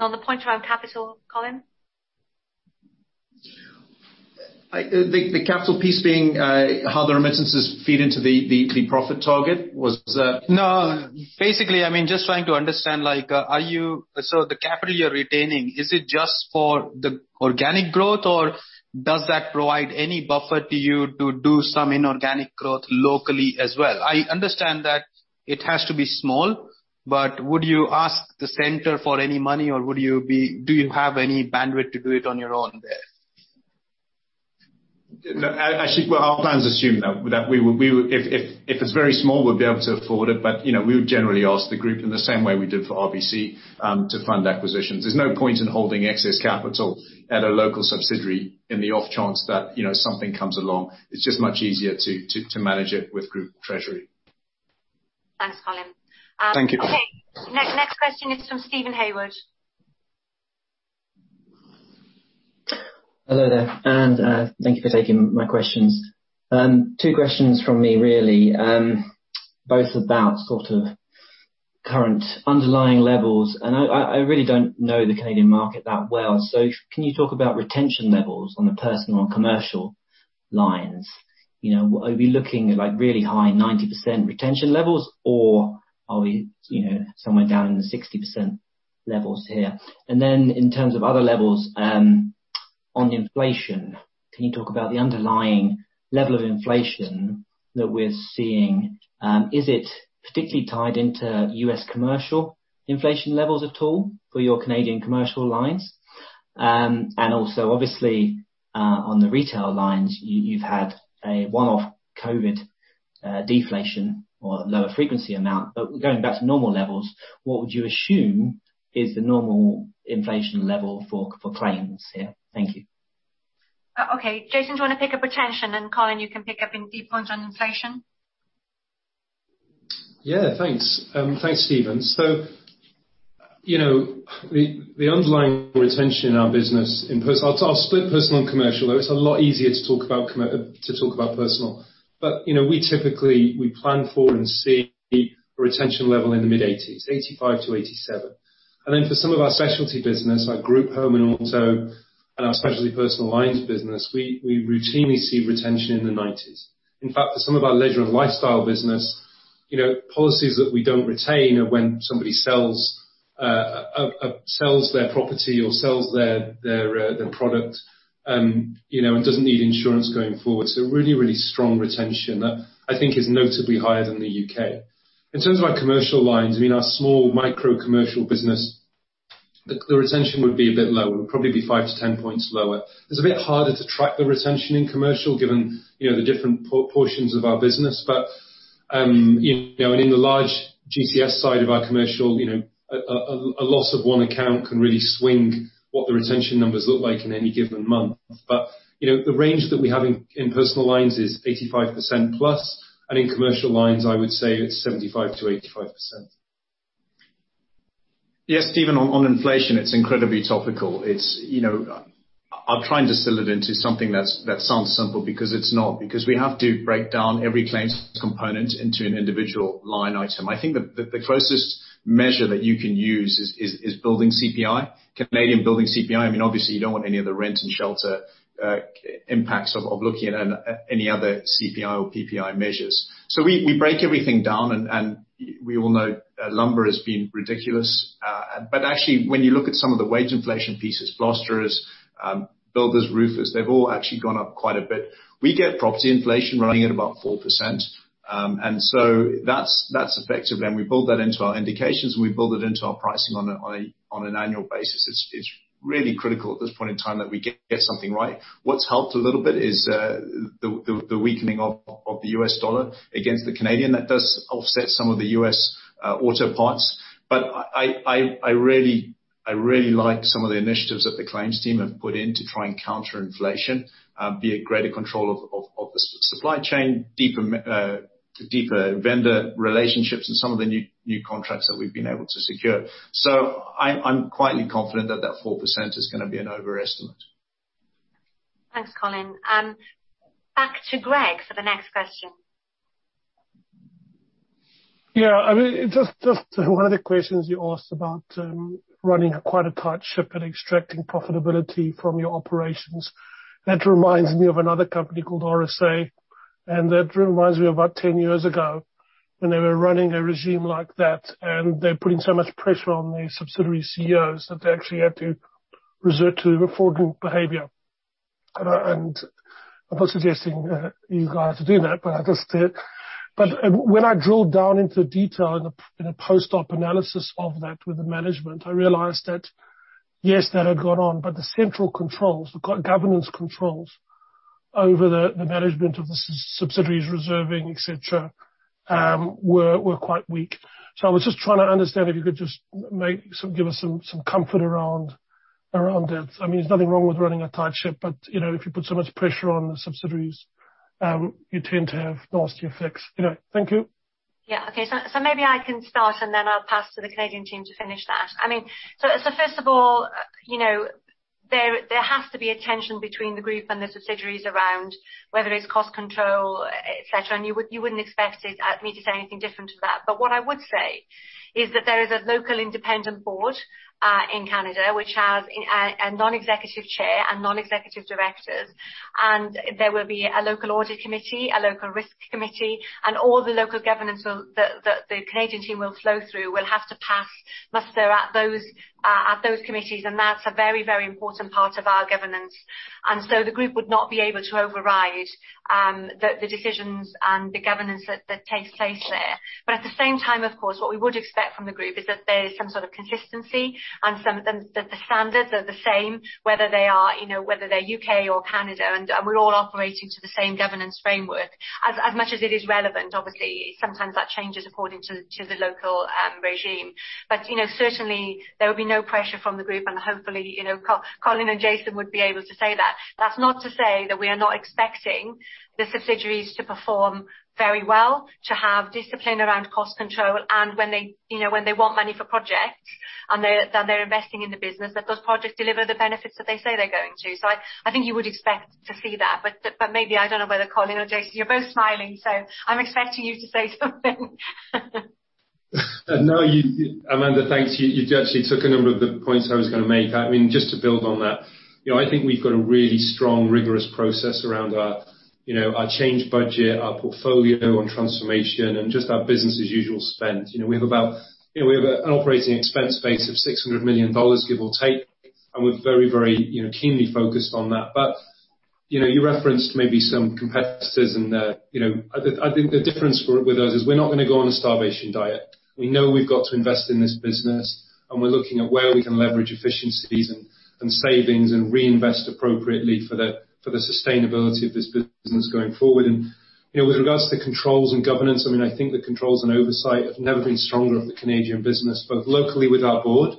On the point around capital, Colin? The capital piece being how the remittances feed into the profit target. Was that? No. Basically, I mean, just trying to understand, are you—so the capital you're retaining, is it just for the organic growth? Or does that provide any buffer to you to do some inorganic growth locally as well? I understand that it has to be small. But would you ask the center for any money? Or do you have any bandwidth to do it on your own there? Well, our plans assume that if it's very small, we'll be able to afford it. But we would generally ask the group in the same way we did for RBC to fund acquisitions. There's no point in holding excess capital at a local subsidiary in the off chance that something comes along. It's just much easier to manage it with group treasury. Thanks, Colin. Thank you. Okay. Next question is from Steven Haywood. Hello there. Thank you for taking my questions. Two questions from me, really, both about sort of current underlying levels. I really don't know the Canadian market that well. Can you talk about retention levels on the personal and commercial lines? Are we looking at really high 90% retention levels? Or are we somewhere down in the 60% levels here? In terms of other levels on inflation, can you talk about the underlying level of inflation that we're seeing? Is it particularly tied into U.S. commercial inflation levels at all for your Canadian commercial lines? Also, obviously, on the retail lines, you've had a one-off COVID deflation or lower frequency amount. Going back to normal levels, what would you assume is the normal inflation level for claims here? Thank you. Okay. Jason, do you want to pick up retention? And Colin, you can pick up in deep points on inflation. Yeah. Thanks. Thanks, Steven. So the underlying retention in our business, I'll split personal and commercial. It's a lot easier to talk about personal. But we typically plan for and see a retention level in the mid-80s, 85-87. And then for some of our specialty business, our group home and auto and our specialty personal lines business, we routinely see retention in the 90s. In fact, for some of our leisure and lifestyle business, policies that we don't retain are when somebody sells their property or sells their product and doesn't need insurance going forward. So really, really strong retention that I think is notably higher than the U.K. In terms of our commercial lines, I mean, our small micro commercial business, the retention would be a bit lower. It would probably be five to 10 points lower. It's a bit harder to track the retention in commercial given the different portions of our business. But in the large GCS side of our commercial, a loss of one account can really swing what the retention numbers look like in any given month. But the range that we have in personal lines is 85% plus. And in commercial lines, I would say it's 75%-85%. Yes, Steven, on inflation, it's incredibly topical. I'll try and distill it into something that sounds simple because it's not. Because we have to break down every claims component into an individual line item. I think the closest measure that you can use is Canadian building CPI. I mean, obviously, you don't want any of the rent and shelter impacts of looking at any other CPI or PPI measures. So we break everything down. And we all know lumber has been ridiculous. But actually, when you look at some of the wage inflation pieces, plasterers, builders, roofers, they've all actually gone up quite a bit. We get property inflation running at about 4%. And so that's effective. And we build that into our indications. And we build it into our pricing on an annual basis. It's really critical at this point in time that we get something right. What's helped a little bit is the weakening of the U.S. dollar against the Canadian. That does offset some of the U.S. auto parts. But I really like some of the initiatives that the claims team have put in to try and counter inflation, be it greater control of the supply chain, deeper vendor relationships, and some of the new contracts that we've been able to secure. So I'm quietly confident that that 4% is going to be an overestimate. Thanks, Colin. Back to Greg for the next question. Yeah. I mean, just one of the questions you asked about running quite a tight ship and extracting profitability from your operations. That reminds me of another company called RSA. And that reminds me of about 10 years ago when they were running a regime like that. And they're putting so much pressure on the subsidiary CEOs that they actually had to resort to reform behavior. And I'm not suggesting you guys are doing that. But when I drilled down into detail in a post-op analysis of that with the management, I realized that, yes, that had gone on. But the central controls, the governance controls over the management of the subsidiaries, reserving, etc., were quite weak. So I was just trying to understand if you could just give us some comfort around that. I mean, there's nothing wrong with running a tight ship. But if you put so much pressure on the subsidiaries, you tend to have nasty effects. Anyway, thank you. Yeah. Okay. So maybe I can start. And then I'll pass to the Canadian team to finish that. I mean, so first of all, there has to be a tension between the group and the subsidiaries around whether it's cost control, etc. And you wouldn't expect me to say anything different to that. But what I would say is that there is a local independent board in Canada which has a non-executive chair and non-executive directors. And there will be a local audit committee, a local risk committee. All the local governance that the Canadian team will flow through will have to pass those committees. That's a very, very important part of our governance. So the group would not be able to override the decisions and the governance that takes place there. But at the same time, of course, what we would expect from the group is that there is some sort of consistency and that the standards are the same, whether they're U.K. or Canada. We're all operating to the same governance framework. As much as it is relevant, obviously, sometimes that changes according to the local regime. But certainly, there will be no pressure from the group. And hopefully, Colin and Jason would be able to say that. That's not to say that we are not expecting the subsidiaries to perform very well, to have discipline around cost control. When they want money for projects and they're investing in the business, that those projects deliver the benefits that they say they're going to. So I think you would expect to see that. But maybe I don't know whether Colin or Jason, you're both smiling. So I'm expecting you to say something. No, Amanda, thanks. You actually took a number of the points I was going to make. I mean, just to build on that, I think we've got a really strong, rigorous process around our change budget, our portfolio on transformation, and just our business-as-usual spend. We have an operating expense base of 600 million dollars, give or take. And we're very, very keenly focused on that. But you referenced maybe some competitors. And I think the difference with those is we're not going to go on a starvation diet. We know we've got to invest in this business. And we're looking at where we can leverage efficiencies and savings and reinvest appropriately for the sustainability of this business going forward. And with regards to controls and governance, I mean, I think the controls and oversight have never been stronger of the Canadian business, both locally with our board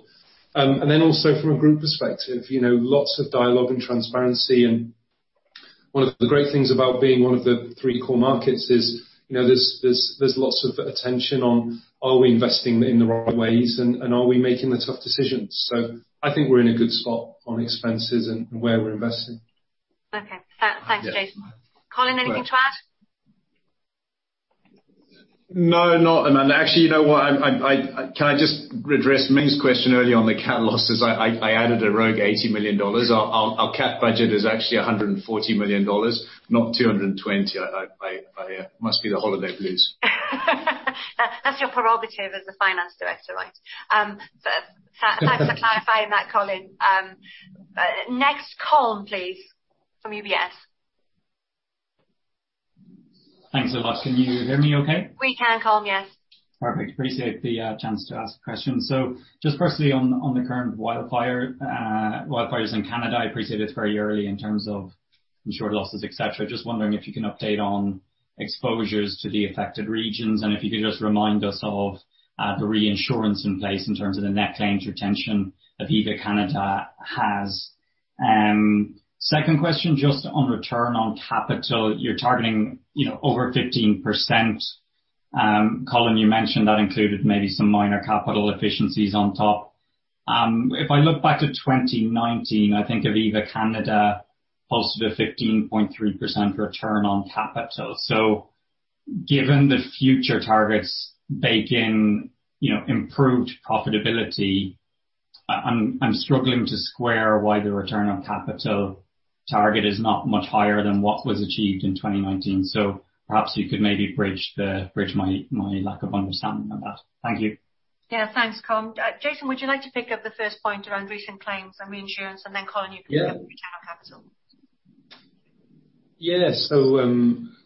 and then also from a group perspective, lots of dialogue and transparency. And one of the great things about being one of the three COR markets is there's lots of attention on, are we investing in the right ways? And are we making the tough decisions? So I think we're in a good spot on expenses and where we're investing. Okay. Thanks, Jason. Colin, anything to add? No, not, Amanda. Actually, you know what? Can I just address Ming's question earlier on the CAT losses? I added a rogue 80 million dollars. Our CAT budget is actually 140 million dollars, not 220 million. It must be the holiday blues. That's your prerogative as the finance director, right? Thanks for clarifying that, Colin. Next, Colm, please, from UBS. Thanks so much. Can you hear me okay? We can, Colm. Yes. Perfect. Appreciate the chance to ask a question. So just personally, on the current wildfires in Canada, I appreciate it's very early in terms of insured losses, etc. Just wondering if you can update on exposures to the affected regions and if you could just remind us of the reinsurance in place in terms of the net claims retention that Aviva Canada has. Second question, just on return on capital, you're targeting over 15%. Colin, you mentioned that included maybe some minor capital efficiencies on top. If I look back to 2019, I think of Aviva Canada posted a 15.3% return on capital. So given the future targets baking improved profitability, I'm struggling to square why the return on capital target is not much higher than what was achieved in 2019. So perhaps you could maybe bridge my lack of understanding on that. Thank you. Yeah. Thanks, Colm. Jason, would you like to pick up the first point around recent claims and reinsurance? And then, Colin, you can pick up on capital. Yeah. So,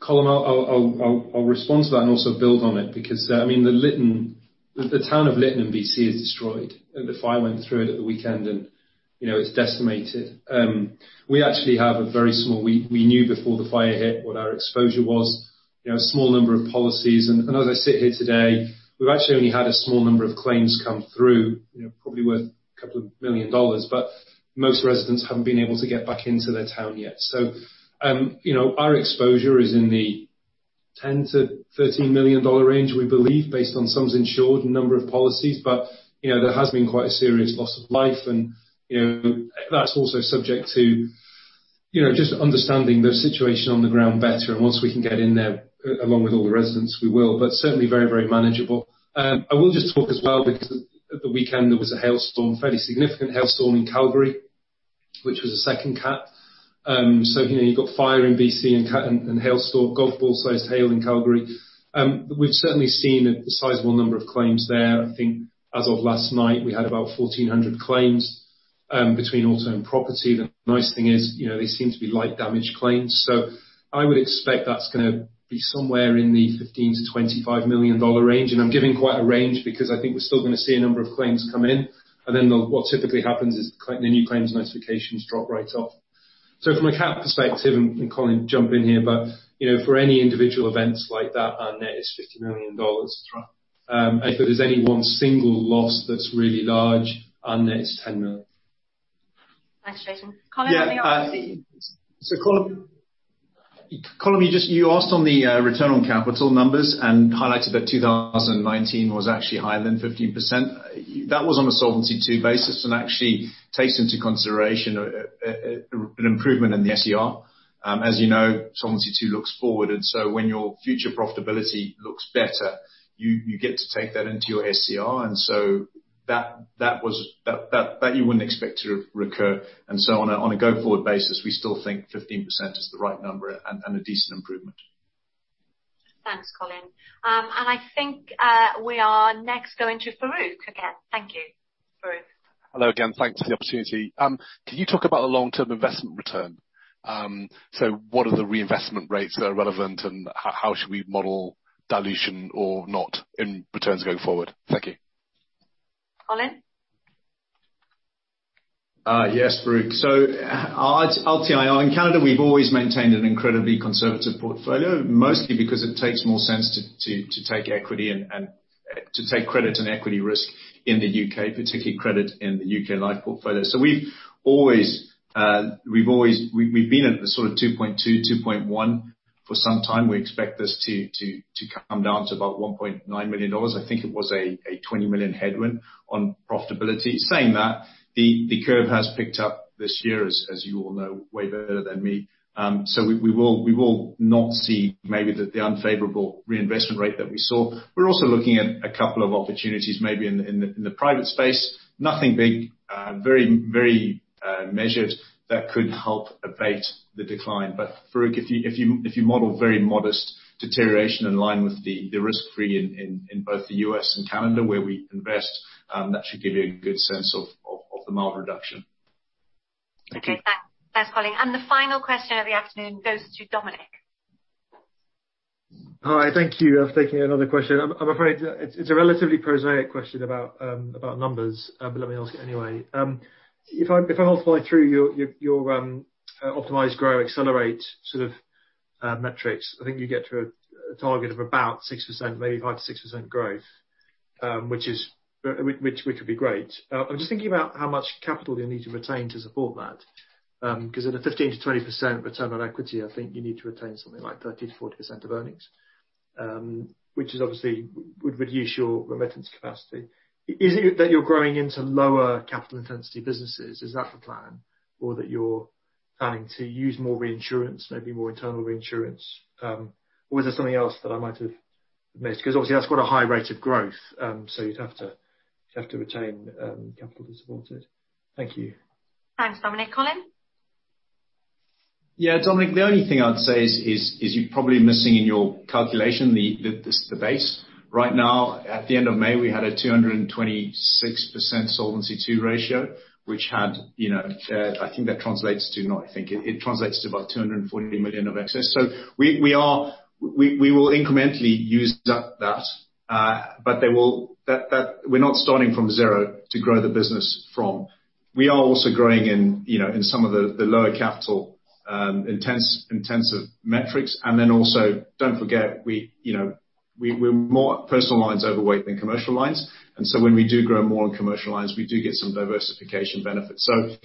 Colm, I'll respond to that and also build on it. Because, I mean, the town of Lytton in BC is destroyed. The fire went through it at the weekend. And it's decimated. We actually have a very small, we knew before the fire hit what our exposure was, a small number of policies. And as I sit here today, we've actually only had a small number of claims come through, probably worth 2 million dollars. But most residents haven't been able to get back into their town yet. So our exposure is in the 10 million-13 million dollar range, we believe, based on sum insured and number of policies. But there has been quite a serious loss of life. And that's also subject to just understanding the situation on the ground better. And once we can get in there, along with all the residents, we will. But certainly, very, very manageable. I will just talk as well because at the weekend, there was a hailstorm, a fairly significant hailstorm in Calgary, which was a second CAT. So you've got fire in BC and hailstorm, golf ball-sized hail in Calgary. We've certainly seen a sizable number of claims there. I think as of last night, we had about 1,400 claims between auto and property. The nice thing is they seem to be light damage claims. So I would expect that's going to be somewhere in the $15 million-$25 million range. And I'm giving quite a range because I think we're still going to see a number of claims come in. And then what typically happens is the new claims notifications drop right off. So from a CAT perspective, and Colin, jump in here, but for any individual events like that, our net is $50 million. And if there's any one single loss that's really large, our net is $10 million. Thanks, Jason. Colin, any other? So, Colin, you asked on the return on capital numbers and highlighted that 2019 was actually higher than 15%. That was on a Solvency II basis and actually takes into consideration an improvement in the SCR. As you know, Solvency II looks forward. And so when your future profitability looks better, you get to take that into your SCR. So that you wouldn't expect to recur. So on a go-forward basis, we still think 15% is the right number and a decent improvement. Thanks, Colin. I think we are next going to Farooq again. Thank you, Farooq. Hello again. Thanks for the opportunity. Can you talk about the long-term investment return? So what are the reinvestment rates that are relevant? And how should we model dilution or not in returns going forward? Thank you. Colin? Yes, Farooq. So I'll take it. In Canada, we've always maintained an incredibly conservative portfolio, mostly because it makes more sense to take equity and to take credit and equity risk in the U.K., particularly credit in the U.K. life portfolio. So we've always been at the sort of 2.2, 2.1 for some time. We expect this to come down to about 1.9 million dollars. I think it was a 20 million headwind on profitability. Saying that, the curve has picked up this year, as you all know way better than me. So we will not see maybe the unfavorable reinvestment rate that we saw. We're also looking at a couple of opportunities maybe in the private space. Nothing big, very measured that could help abate the decline. But, Farooq, if you model very modest deterioration in line with the risk-free in both the U.S. and Canada, where we invest, that should give you a good sense of the mild reduction. Thank you. Thanks, Colin. And the final question of the afternoon goes to Dominic. Hi. Thank you for taking another question. I'm afraid it's a relatively prosaic question about numbers. But let me ask it anyway. If I multiply through your optimized, grow, accelerate sort of metrics, I think you get to a target of about 6%, maybe 5%-6% growth, which would be great. I'm just thinking about how much capital you need to retain to support that. Because at a 15%-20% return on equity, I think you need to retain something like 30%-40% of earnings, which obviously would reduce your remittance capacity. Is it that you're growing into lower capital intensity businesses? Is that the plan? Or that you're planning to use more reinsurance, maybe more internal reinsurance? Or is there something else that I might have missed? Because obviously, that's got a high rate of growth. So you'd have to retain capital to support it. Thank you. Thanks, Dominic. Colin? Yeah. Dominic, the only thing I'd say is you're probably missing in your calculation the base. Right now, at the end of May, we had a 226% Solvency II ratio, which had I think that translates to not I think. It translates to about 240 million of excess. So we will incrementally use that. But we're not starting from zero to grow the business from. We are also growing in some of the lower capital intensive metrics. And then also, don't forget, we're more personal lines overweight than commercial lines. And so when we do grow more in commercial lines, we do get some diversification benefits. So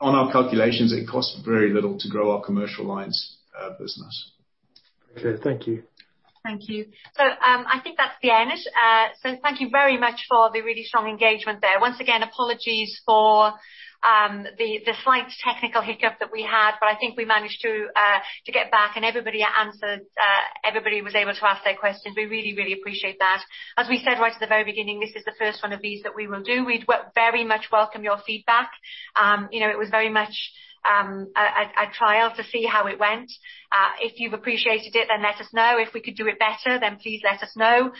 on our calculations, it costs very little to grow our commercial lines business. Okay. Thank you. Thank you. So I think that's the end. So thank you very much for the really strong engagement there. Once again, apologies for the slight technical hiccup that we had. I think we managed to get back. Everybody answered. Everybody was able to ask their questions. We really, really appreciate that. As we said right at the very beginning, this is the first one of these that we will do. We'd very much welcome your feedback. It was very much a trial to see how it went. If you've appreciated it, then let us know. If we could do it better, then please let us know.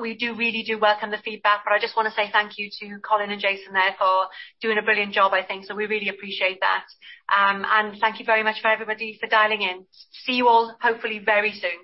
We do really do welcome the feedback. I just want to say thank you to Colin and Jason there for doing a brilliant job, I think. We really appreciate that. Thank you very much for everybody for dialing in. See you all, hopefully, very soon.